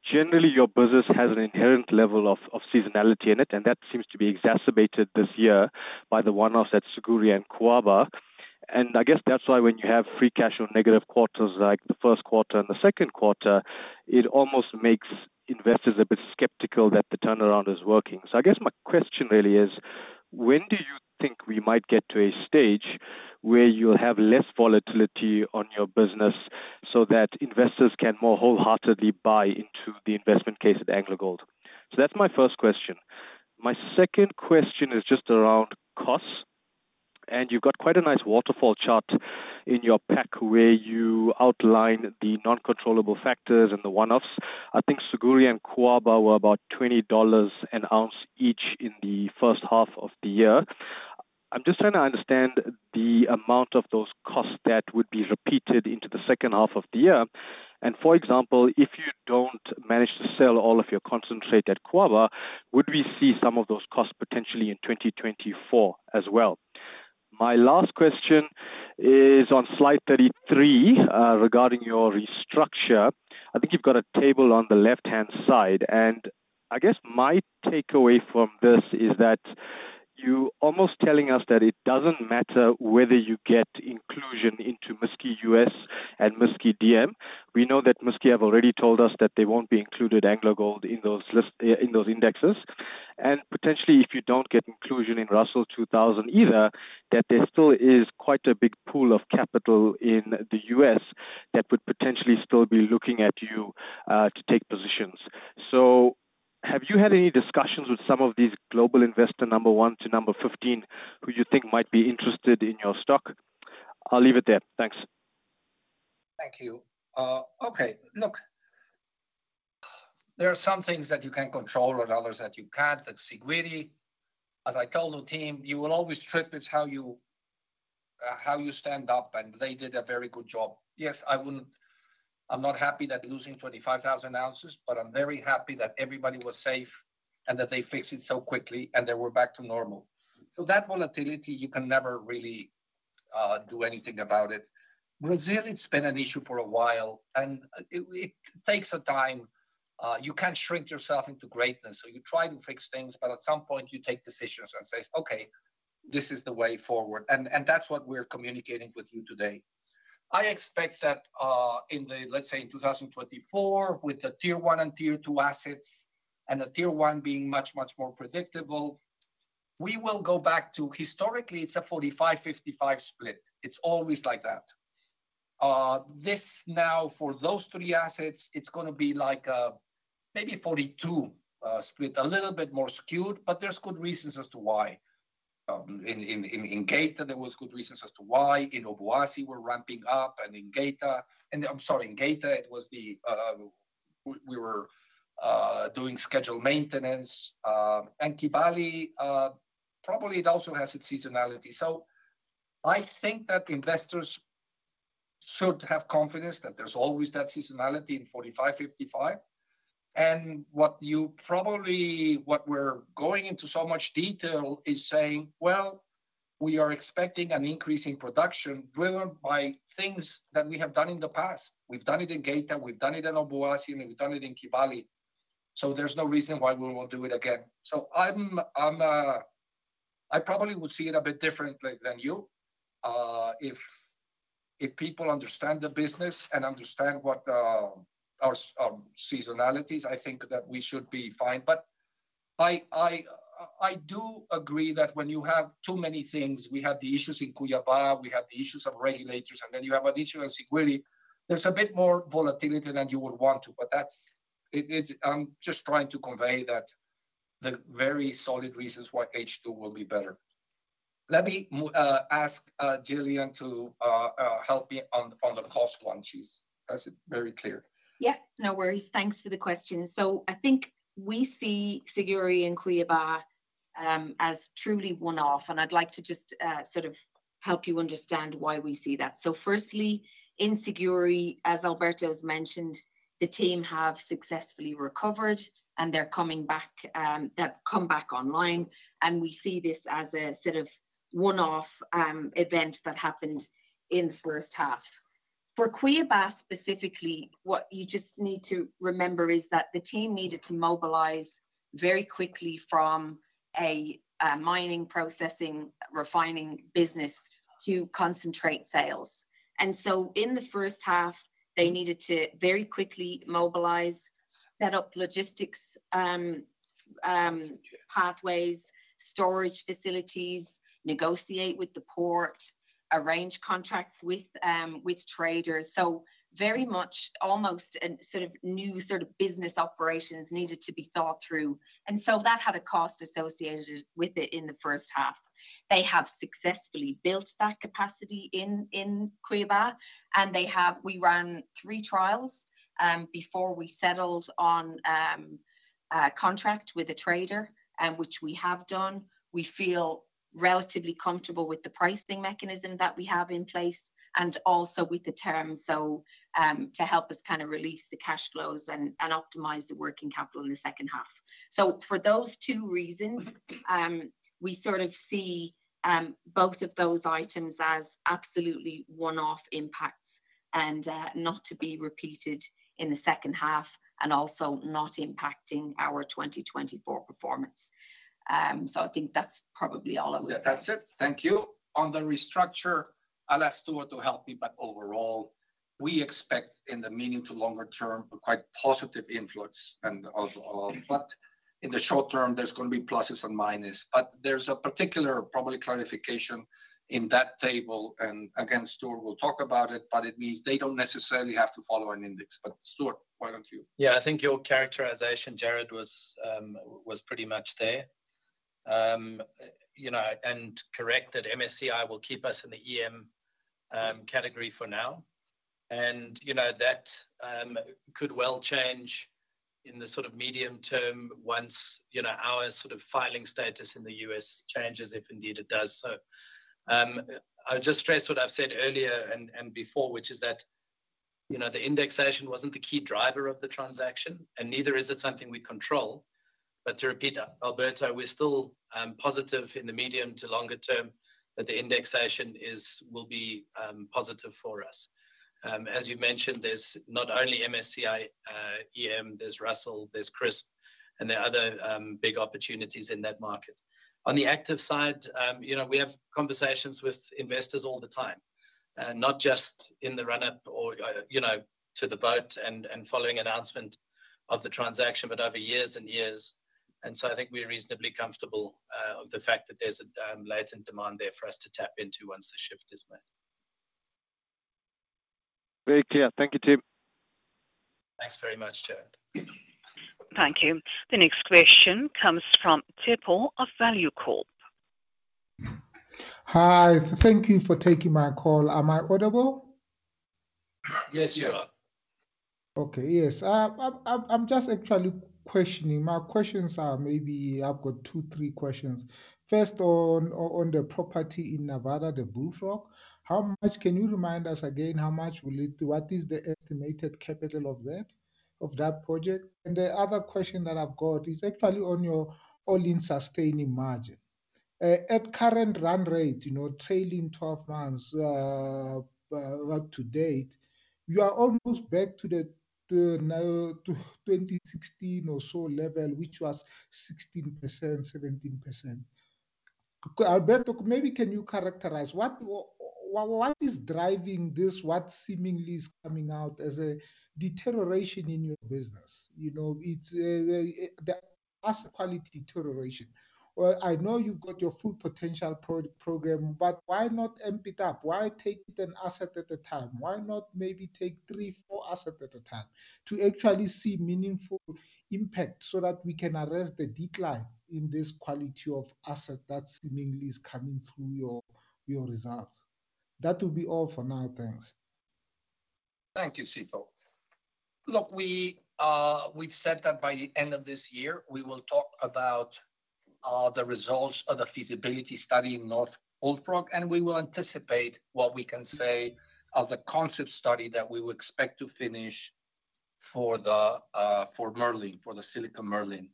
Generally, your business has an inherent level of, of seasonality in it, and that seems to be exacerbated this year by the one-offs at Siguiri and Cuiaba. I guess that's why when you have free cash on negative quarters, like the first quarter and the second quarter, it almost makes investors a bit skeptical that the turnaround is working. I guess my question really is: When do you think we might get to a stage where you'll have less volatility on your business so that investors can more wholeheartedly buy into the investment case at AngloGold? That's my first question. My second question is just around costs, and you've got quite a nice waterfall chart in your pack where you outline the non-controllable factors and the one-offs. I think Siguiri and Cuiaba were about $20 an ounce each in the first half of the year. I'm just trying to understand the amount of those costs that would be repeated into the second half of the year. For example, if you don't manage to sell all of your concentrate at Cuiaba, would we see some of those costs potentially in 2024 as well? My last question is on slide 33 regarding your restructure. I think you've got a table on the left-hand side, and I guess my takeaway from this is that you almost telling us that it doesn't matter whether you get inclusion into MSCI US and MSCI DM. We know that MSCI have already told us that they won't be included AngloGold in those list in those indexes. Potentially, if you don't get inclusion in Russell 2000 either, that there still is quite a big pool of capital in The U.S. that would potentially still be looking at you to take positions. Have you had any discussions with some of these global investor number 1 to number 15, who you think might be interested in your stock? I'll leave it there. Thanks. Thank you. Okay, look, there are some things that you can control and others that you can't. At Siguiri, as I told the team, you will always trip, it's how you stand up, and they did a very good job. Yes, I wouldn't, I'm not happy that losing 25,000 ounces, but I'm very happy that everybody was safe and that they fixed it so quickly, and they were back to normal. That volatility, you can never really do anything about it. Brazil, it's been an issue for a while, and it, it takes a time. You can't shrink yourself into greatness, you try to fix things, but at some point, you take decisions and say, "Okay, this is the way forward." That's what we're communicating with you today. I expect that in the... let's say in 2024, with the tier one and tier two assets, and the tier one being much, much more predictable, we will go back to. Historically, it's a 45, 55 split. It's always like that. This now for those three assets, it's gonna be like, maybe 42 split, a little bit more skewed, but there's good reasons as to why. In Ghana, there was good reasons as to why. In Obuasi, we're ramping up, and I'm sorry, in Ghana, it was the, we were doing scheduled maintenance. And Kibali, probably it also has its seasonality. I think that investors should have confidence that there's always that seasonality in 45, 55. What we're going into so much detail is saying, "Well, we are expecting an increase in production driven by things that we have done in the past." We've done it in Ghana, we've done it in Obuasi, and we've done it in Kibali. There's no reason why we won't do it again. I'm, I'm... I probably would see it a bit differently than you. If, if people understand the business and understand what our seasonalities, I think that we should be fine. I, I, I do agree that when you have too many things, we had the issues in Cuiaba, we had the issues of regulators. You have an issue in Siguiri, there's a bit more volatility than you would want to. I'm just trying to convey that. the very solid reasons why H2 will be better. Let me ask Gillian to help me on, on the cost one. She's as very clear. Yeah, no worries. Thanks for the question. I think we see Siguiri and Cuiaba as truly one-off, and I'd like to just sort of help you understand why we see that. Firstly, in Siguiri, as Alberto has mentioned, the team have successfully recovered, and they're coming back, they've come back online, and we see this as a sort of one-off event that happened in the first half. For Cuiaba specifically, what you just need to remember is that the team needed to mobilize very quickly from a mining, processing, refining business to concentrate sales. In the first half, they needed to very quickly mobilize, set up logistics, pathways, storage facilities, negotiate with the port, arrange contracts with traders. Very much almost a sort of new sort of business operations needed to be thought through, and so that had a cost associated with it in the first half. They have successfully built that capacity in Cuiaba, we ran 3 trials before we settled on a contract with a trader, which we have done. We feel relatively comfortable with the pricing mechanism that we have in place and also with the terms, to help us kind of release the cash flows and optimize the working capital in the second half. For those 2 reasons, we sort of see both of those items as absolutely one-off impacts and not to be repeated in the second half, and also not impacting our 2024 performance. I think that's probably all I would say. Yeah, that's it. Thank you. On the restructure, I'll ask Stuart to help me. Overall, we expect in the medium to longer term, a quite positive influence and. In the short term, there's going to be pluses and minus. There's a particular probably clarification in that table, and again, Stuart will talk about it, but it means they don't necessarily have to follow an index. Stuart, why don't you? Yeah, I think your characterization, Jared, was pretty much there. You know, correct, that MSCI will keep us in the EM category for now. You know, that could well change in the sort of medium term once, you know, our sort of filing status in The U.S. changes, if indeed it does so. I'll just stress what I've said earlier and before, which is that, you know, the indexation wasn't the key driver of the transaction, and neither is it something we control. To repeat, Alberto, we're still positive in the medium to longer term that the indexation is, will be positive for us. As you mentioned, there's not only MSCI EM, there's Russell, there's CRSP, and there are other big opportunities in that market. On the active side, you know, we have conversations with investors all the time, not just in the run-up or, you know, to the vote and following announcement of the transaction, but over years and years. So I think we're reasonably comfortable, of the fact that there's a, latent demand tap into once the shift is made. Very clear. Thank you, team. Thanks very much, Jared. Thank you. The next question comes from Sipho of Value Corp. Hi, thank you for taking my call. Am I audible? Yes, you are. Yes. Okay. Yes. I'm just actually questioning. My questions are, maybe I've got two, three questions. First, on the property in Nevada, the Bullfrog. How much? Can you remind us again, how much will it... What is the estimated capital of that project? The other question that I've got is actually on your all-in sustaining margin. At current run rate, you know, trailing 12 months, well, to date, you are almost back to the, the, to 2016 or so level, which was 16%, 17%. Alberto, maybe can you characterize what is driving this, what seemingly is coming out as a deterioration in your business? You know, it's the asset quality deterioration. Well, I know you've got your Full Potential Program, but why not amp it up? Why take it an asset at a time? Why not maybe take three, four assets at a time to actually see meaningful impact so that we can arrest the decline in this quality of asset that seemingly is coming through your, your results? That will be all for now. Thanks. Thank you, Sipho. Look, we've said that by the end of this year, we will talk about the results of the feasibility study in North Bullfrog, and we will anticipate what we can say of the concept study that we would expect to finish for Merlin, for the Silicon Merlin,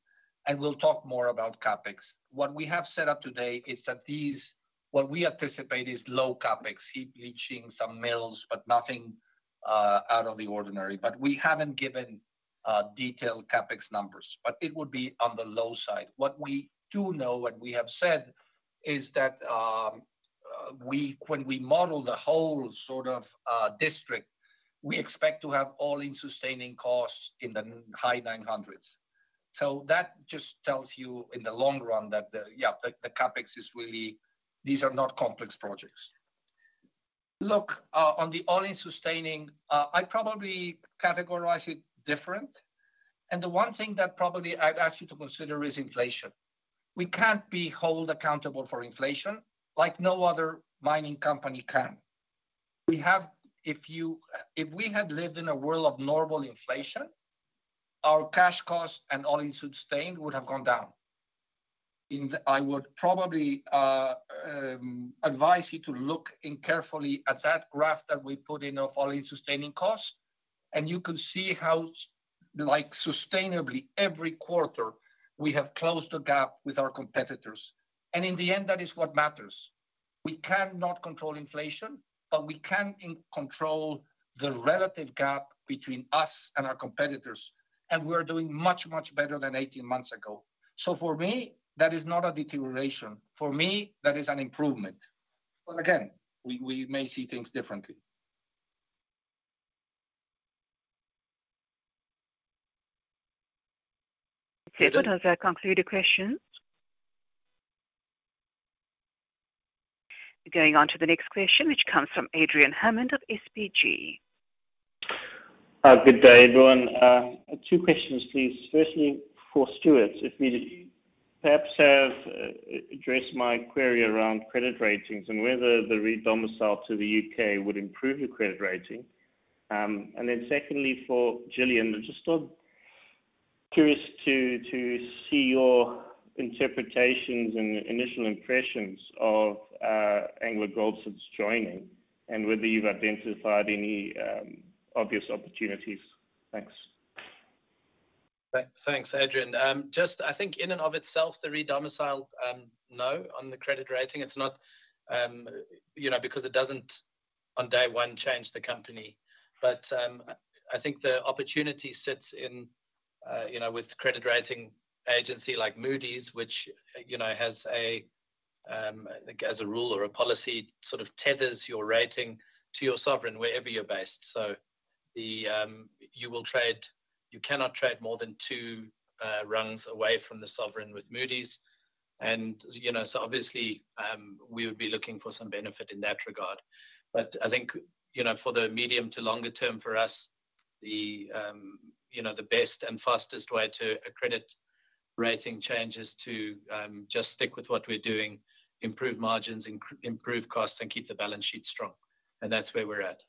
and we'll talk more about CapEx. What we have set up today is that these, what we anticipate is low CapEx, heap leaching, some mills, but nothing out of the ordinary. We haven't given detailed CapEx numbers, but it would be on the low side. What we do know and we have said is that, when we model the whole sort of district, we expect to have all-in sustaining costs in the high $900s. That just tells you in the long run that the, the CapEx is really... These are not complex projects. Look, on the all-in sustaining cost, I probably categorize it different. The one thing that probably I'd ask you to consider is inflation. We can't be held accountable for inflation, like no other mining company can. If we had lived in a world of normal inflation, our cash cost and all-in sustaining cost would have gone down. I would probably advise you to look in carefully at that graph that we put in of all-in sustaining costs, and you can see how, like, sustainably every quarter, we have closed the gap with our competitors. In the end, that is what matters. We cannot control inflation, but we can in control the relative gap between us and our competitors, and we are doing much, much better than 18 months ago. For me, that is not a deterioration. For me, that is an improvement. Again, we, we may see things differently. Okay. Those conclude the questions. Going on to the next question, which comes from Adrian Hammond of SBG. Good day, everyone. Two questions, please. Firstly, for Stuart, if we perhaps have, addressed my query around credit ratings and whether the redomicile to The U.K. would improve your credit rating. Secondly, for Gillian, I'm just, curious to see your interpretations and initial impressions of, AngloGold's joining and whether you've identified any, obvious opportunities. Thanks. Thanks, Adrian. Just I think in and of itself, the redomicile, no, on the credit rating, it's not, you know, because it doesn't, on day one, change the company. I think the opportunity sits in, you know, with credit rating agency like Moody's, which, you know, has a, as a rule or a policy, sort of tethers your rating to your sovereign, wherever you're based. You will trade. You cannot trade more than two rungs away from the sovereign with Moody's. You know, obviously, we would be looking for some benefit in that regard. I think, you know, for the medium to longer term, for us, the, you know, the best and fastest way to accredit rating changes to, just stick with what we're doing, improve margins, improve costs, and keep the balance sheet strong. That's where we're at.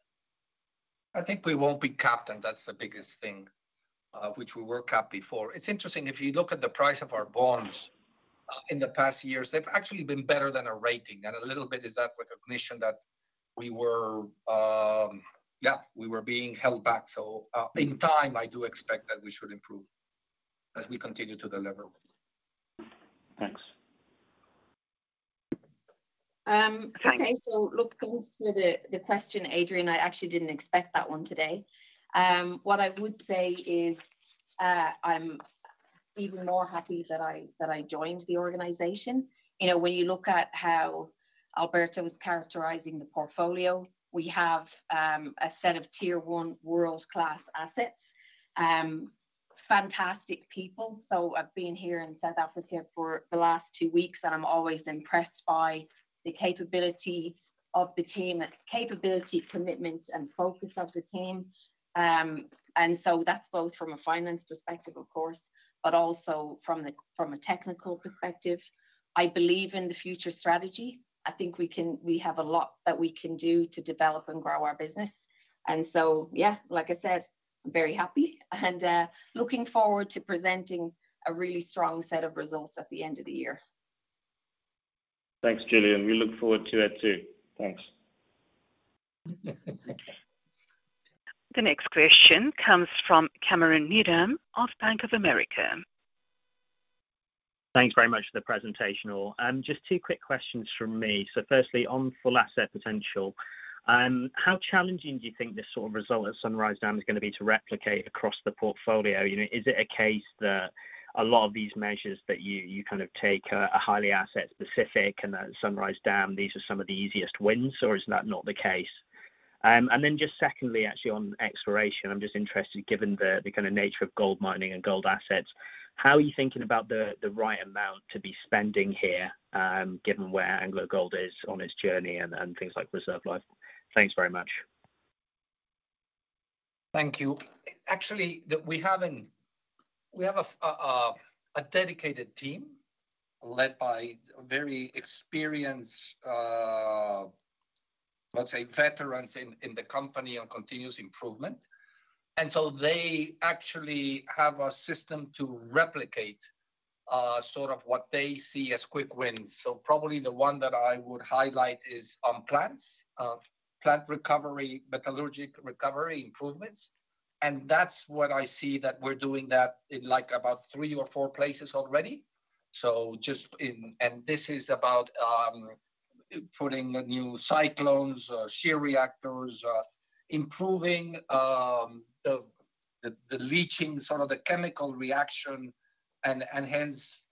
I think we won't be capped, and that's the biggest thing, which we were capped before. It's interesting, if you look at the price of our bonds, in the past years, they've actually been better than a rating, and a little bit is that recognition that we were. Yeah, we were being held back, so, in time, I do expect that we should improve as we continue to deliver. Thanks. Um- Thanks. Okay, so look, goes to the, the question, Adrian, I actually didn't expect that one today. What I would say is, I'm even more happy that I, that I joined the organization. You know, when you look at how Alberto was characterizing the portfolio, we have, a set of tier one world-class assets, fantastic people. I've been here in South Africa for the last two weeks, and I'm always impressed by the capability of the team, capability, commitment, and focus of the team. That's both from a finance perspective, of course, but also from the, from a technical perspective. I believe in the future strategy. I think we have a lot that we can do to develop and grow our business. So, yeah, like I said, I'm very happy and looking forward to presenting a really strong set of results at the end of the year. Thanks, Gillian. We look forward to it, too. Thanks. The next question comes from Cameron Miram of Bank of America. Thanks very much for the presentation, all. Just two quick questions from me. Firstly, on full asset potential, how challenging do you think this sort of result at Sunrise Dam is gonna be to replicate across the portfolio? You know, is it a case that a lot of these measures that you, you kind of take are, are highly asset-specific, and at Sunrise Dam, these are some of the easiest wins, or is that not the case? Then just secondly, actually, on exploration, I'm just interested, given the, the kinda nature of gold mining and gold assets, how are you thinking about the, the right amount to be spending here, given where AngloGold is on its journey and, and things like reserve life? Thanks very much. Thank you. Actually, the we have a dedicated team led by a very experienced, let's say, veterans in the company on continuous improvement. They actually have a system to replicate, sort of what they see as quick wins. Probably the one that I would highlight is on plants, plant recovery, metallurgic recovery improvements, and that's what I see that we're doing that in, like, about three or four places already. Just in. This is about putting new cyclones, shear reactors, improving the leaching, sort of the chemical reaction and hence,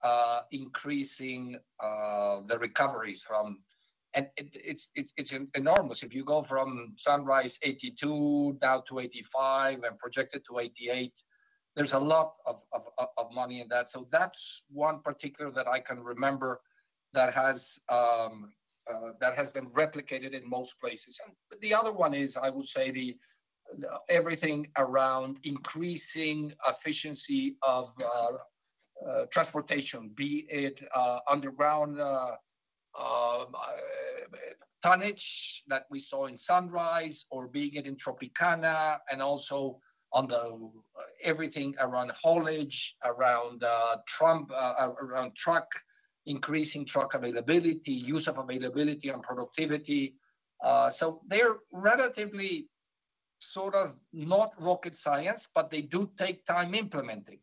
increasing the recoveries from. It's enormous. If you go from Sunrise 82, now to 85, and projected to 88. There's a lot of money in that. That's one particular that I can remember that has that has been replicated in most places. The other one is, I would say, the everything around increasing efficiency of transportation, be it underground tonnage that we saw in Sunrise or be it in Tropicana, and also on the everything around haulage, around truck, increasing truck availability, use of availability and productivity. They're relatively sort of not rocket science, but they do take time implementing.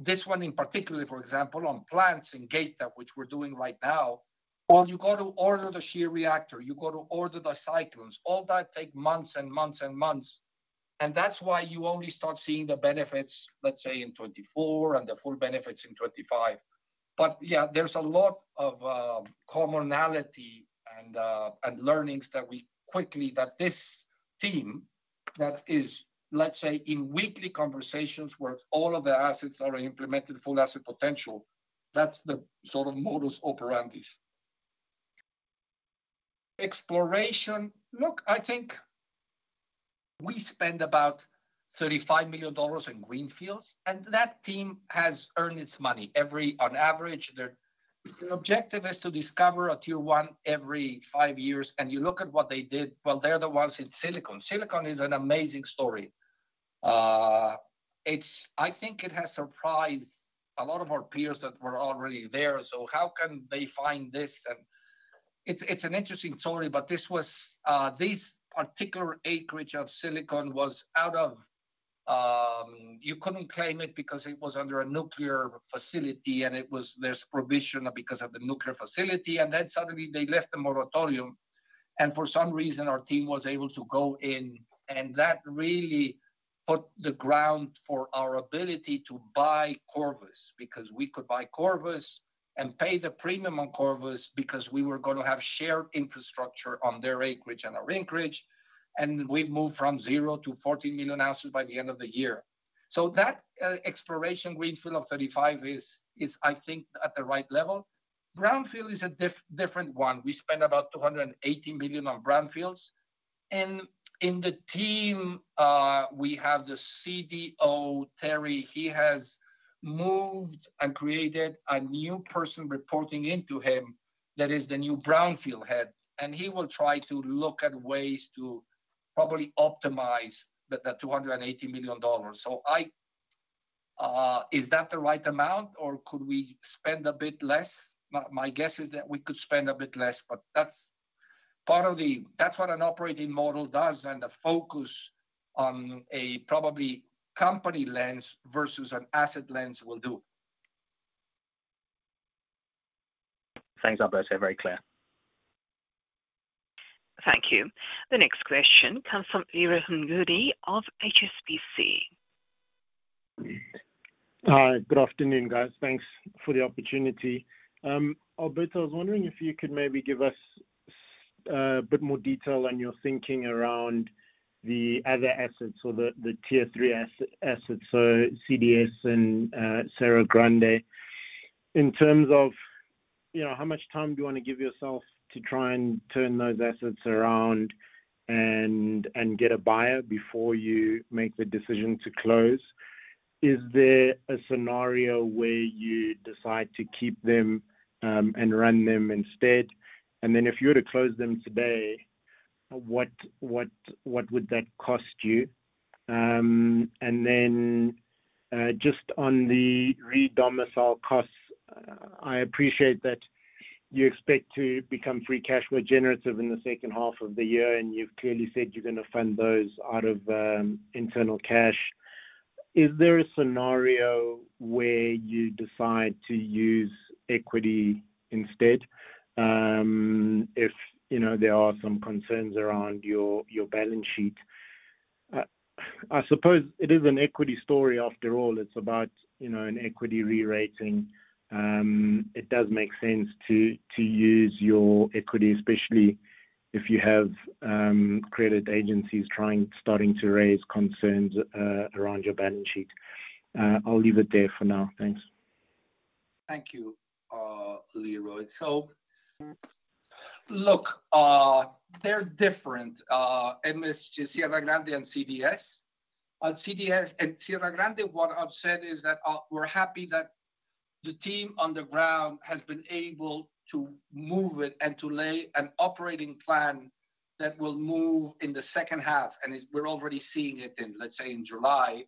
This one in particular, for example, on plants in Geita, which we're doing right now, well, you got to order the shear reactor. You got to order the cyclones. All that take months and months and months, and that's why you only start seeing the benefits, let's say, in 2024 and the full benefits in 2025. Yeah, there's a lot of commonality and learnings that this team that is, let's say, in weekly conversations, where all of the assets are implemented full asset potential, that's the sort of modus operandi. Exploration. Look, I think we spend about $35 million in greenfields, and that team has earned its money. On average, their objective is to discover a tier one every five years, and you look at what they did, well, they're the ones in Silicon. Silicon is an amazing story. I think it has surprised a lot of our peers that were already there. How can they find this? It's, it's an interesting story, this was. This particular acreage of Silicon was out of, you couldn't claim it because it was under a nuclear facility, and there's prohibition because of the nuclear facility. Suddenly they left the moratorium, and for some reason, our team was able to go in, and that really put the ground for our ability to buy Corvus. We could buy Corvus and pay the premium on Corvus because we were gonna have shared infrastructure on their acreage and our acreage, and we've moved from 0 to 14 million ounces by the end of the year. That, exploration greenfield of 35 is, I think, at the right level. Brownfield is a different one. We spend about $280 million on brownfields, and in the team, we have the CDO, Terry. He has moved and created a new person reporting into him. That is the new brownfield head, and he will try to look at ways to probably optimize the $280 million. I... Is that the right amount, or could we spend a bit less? My, my guess is that we could spend a bit less, but that's part of the, that's what an operating model does, and the focus on a probably company lens versus an asset lens will do. Thanks, Alberto. Very clear. Thank you. The next question comes from Leroy Mnguni of HSBC. Hi. Good afternoon, guys. Thanks for the opportunity. Alberto, I was wondering if you could maybe give us a bit more detail on your thinking around the other assets or the, the tier three assets, so CDS and Sierra Grande, in terms of, you know, how much time do you want to give yourself to try and turn those assets around and, and get a buyer before you make the decision to close? Is there a scenario where you decide to keep them and run them instead? Then if you were to close them today, what, what, what would that cost you? Then, just on the re-domicile costs, I appreciate that you expect to become free cash flow generative in the second half of the year, and you've clearly said you're gonna fund those out of internal cash. Is there a scenario where you decide to use equity instead, if, you know, there are some concerns around your, your balance sheet? I suppose it is an equity story after all. It's about, you know, an equity re-rating. It does make sense to, to use your equity, especially if you have, credit agencies starting to raise concerns around your balance sheet. I'll leave it there for now. Thanks. Thank you, Leroy. They're different, MSG, Sierra Grande, and CDS. On CDS and Sierra Grande, what I've said is that we're happy that the team on the ground has been able to move it and to lay an operating plan that will move in the second half, and we're already seeing it in, let's say, in July,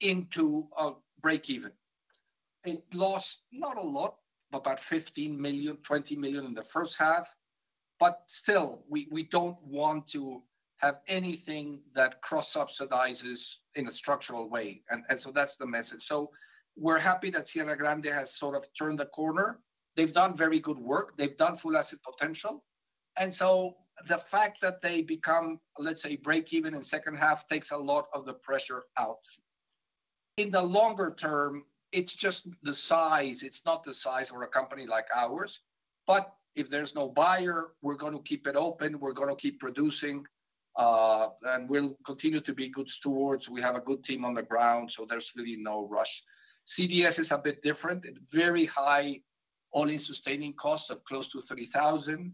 into a break-even. It lost not a lot, about $15 million, $20 million in the first half, but still, we, we don't want to have anything that cross-subsidizes in a structural way, and so that's the message. We're happy that Sierra Grande has sort of turned the corner. They've done very good work. They've done full asset potential, and so the fact that they become, let's say, break-even in second half, takes a lot of the pressure out. in the longer term, it's just the size. It's not the size for a company like ours, but if there's no buyer, we're gonna keep it open, we're gonna keep producing, and we'll continue to be good stewards. We have a good team on the ground, so there's really no rush. CDS is a bit different. It's very high all-in sustaining costs of close to $30,000,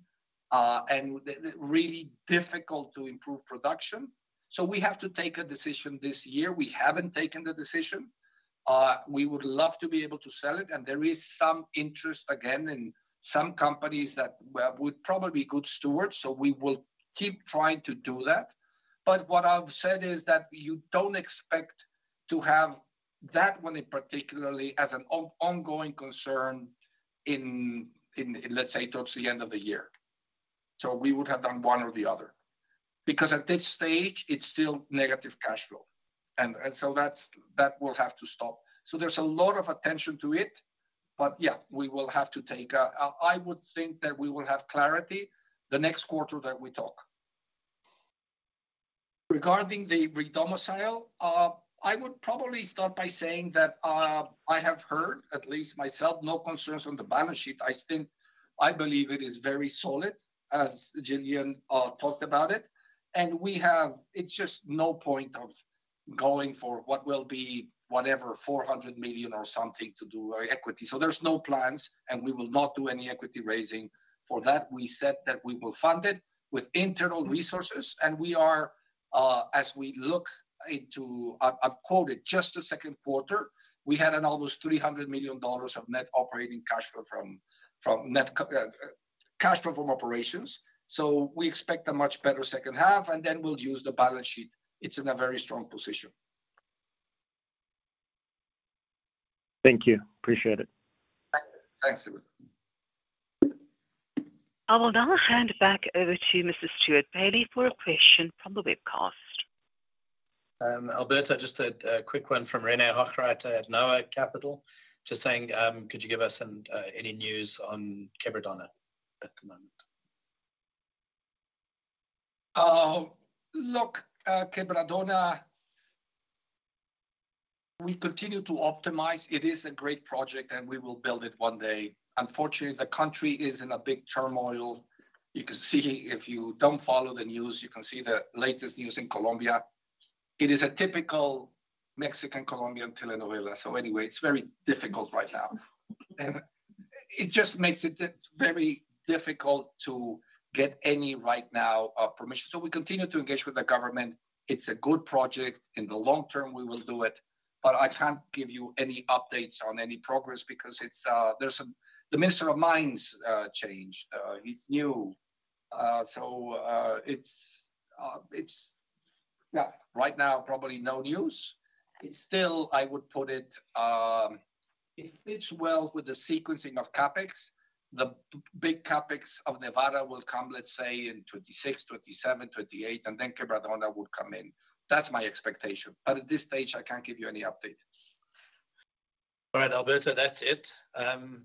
and the, the really difficult to improve production. We have to take a decision this year. We haven't taken the decision. We would love to be able to sell it, and there is some interest again in some companies that would probably be good stewards, so we will keep trying to do that. What I've said is that you don't expect to have that one in particularly as an on-ongoing concern in, let's say, towards the end of the year. We would have done one or the other, because at this stage, it's still negative cash flow, and so that's that will have to stop. There's a lot of attention to it, but yeah, we will have to take a. I would think that we will have clarity the next quarter that we talk. Regarding the re-domicile, I would probably start by saying that I have heard, at least myself, no concerns on the balance sheet. I believe it is very solid, as Gillian talked about it, and it's just no point of going for what will be whatever, $400 million or something to do equity. There's no plans, and we will not do any equity raising for that. We said that we will fund it with internal resources, and we are, as we look into... I've quoted just the second quarter. We had an almost $300 million of net operating cash flow from net cash flow from operations. We expect a much better second half, and then we'll use the balance sheet. It's in a very strong position. Thank you. Appreciate it. Thank you. Thanks. I will now hand it back over to Mr. Stewart Bailey for a question from the webcast. Alberto, just a quick one from René Hochreiter at NOA Capital. Just saying, could you give us some any news on Quebradona at the moment? Look, Quebradona, we continue to optimize. It is a great project, and we will build it one day. Unfortunately, the country is in a big turmoil. You can see if you don't follow the news, you can see the latest news in Colombia. It is a typical Mexican Colombian telenovela. Anyway, it's very difficult right now, and it just makes it very difficult to get any right now, permission. We continue to engage with the government. It's a good project. In the long term, we will do it, but I can't give you any updates on any progress because it's, there's a... The Minister of Mines changed. He's new. It's, it's, yeah, right now, probably no news. It's still, I would put it, it fits well with the sequencing of CapEx. The big CapEx of Nevada will come, let's say, in 2026, 2027, 2028, and then Quebradona will come in. That's my expectation. At this stage, I can't give you any update. All right, Alberto, that's it.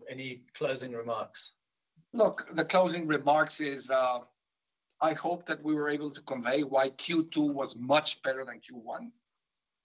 Any closing remarks? Look, the closing remarks is, I hope that we were able to convey why Q2 was much better than Q1,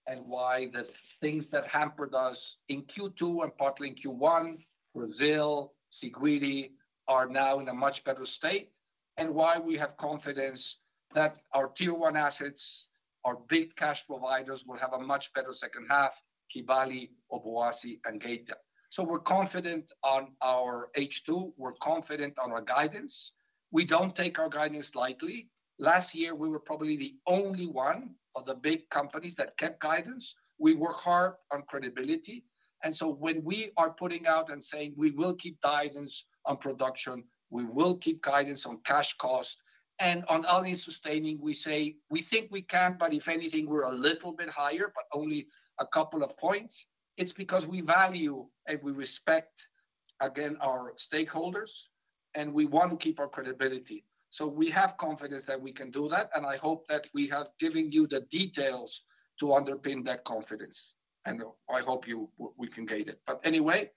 and why the things that hampered us in Q2 and partly in Q1, Brazil, Siguiri, are now in a much better state, and why we have confidence that our tier one assets, our big cash providers, will have a much better second half, Kibali, Obuasi, and Geita. We're confident on our H2, we're confident on our guidance. We don't take our guidance lightly. Last year, we were probably the only one of the big companies that kept guidance. We work hard on credibility, and so when we are putting out and saying: we will keep guidance on production, we will keep guidance on cash cost, and on all-in sustaining, we say: We think we can, but if anything, we're a little bit higher, but only a couple of points. It's because we value and we respect, again, our stakeholders, and we want to keep our credibility. We have confidence that we can do that, and I hope that we have given you the details to underpin that confidence, and I hope you... we can get it. Anyway,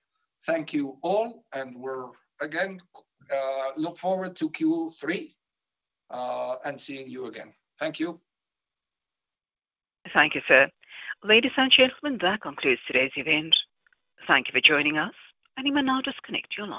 thank you all, and we're, again, look forward to Q3, and seeing you again. Thank you. Thank you, sir. Ladies and gentlemen, that concludes today's event. Thank you for joining us, and you may now disconnect your line.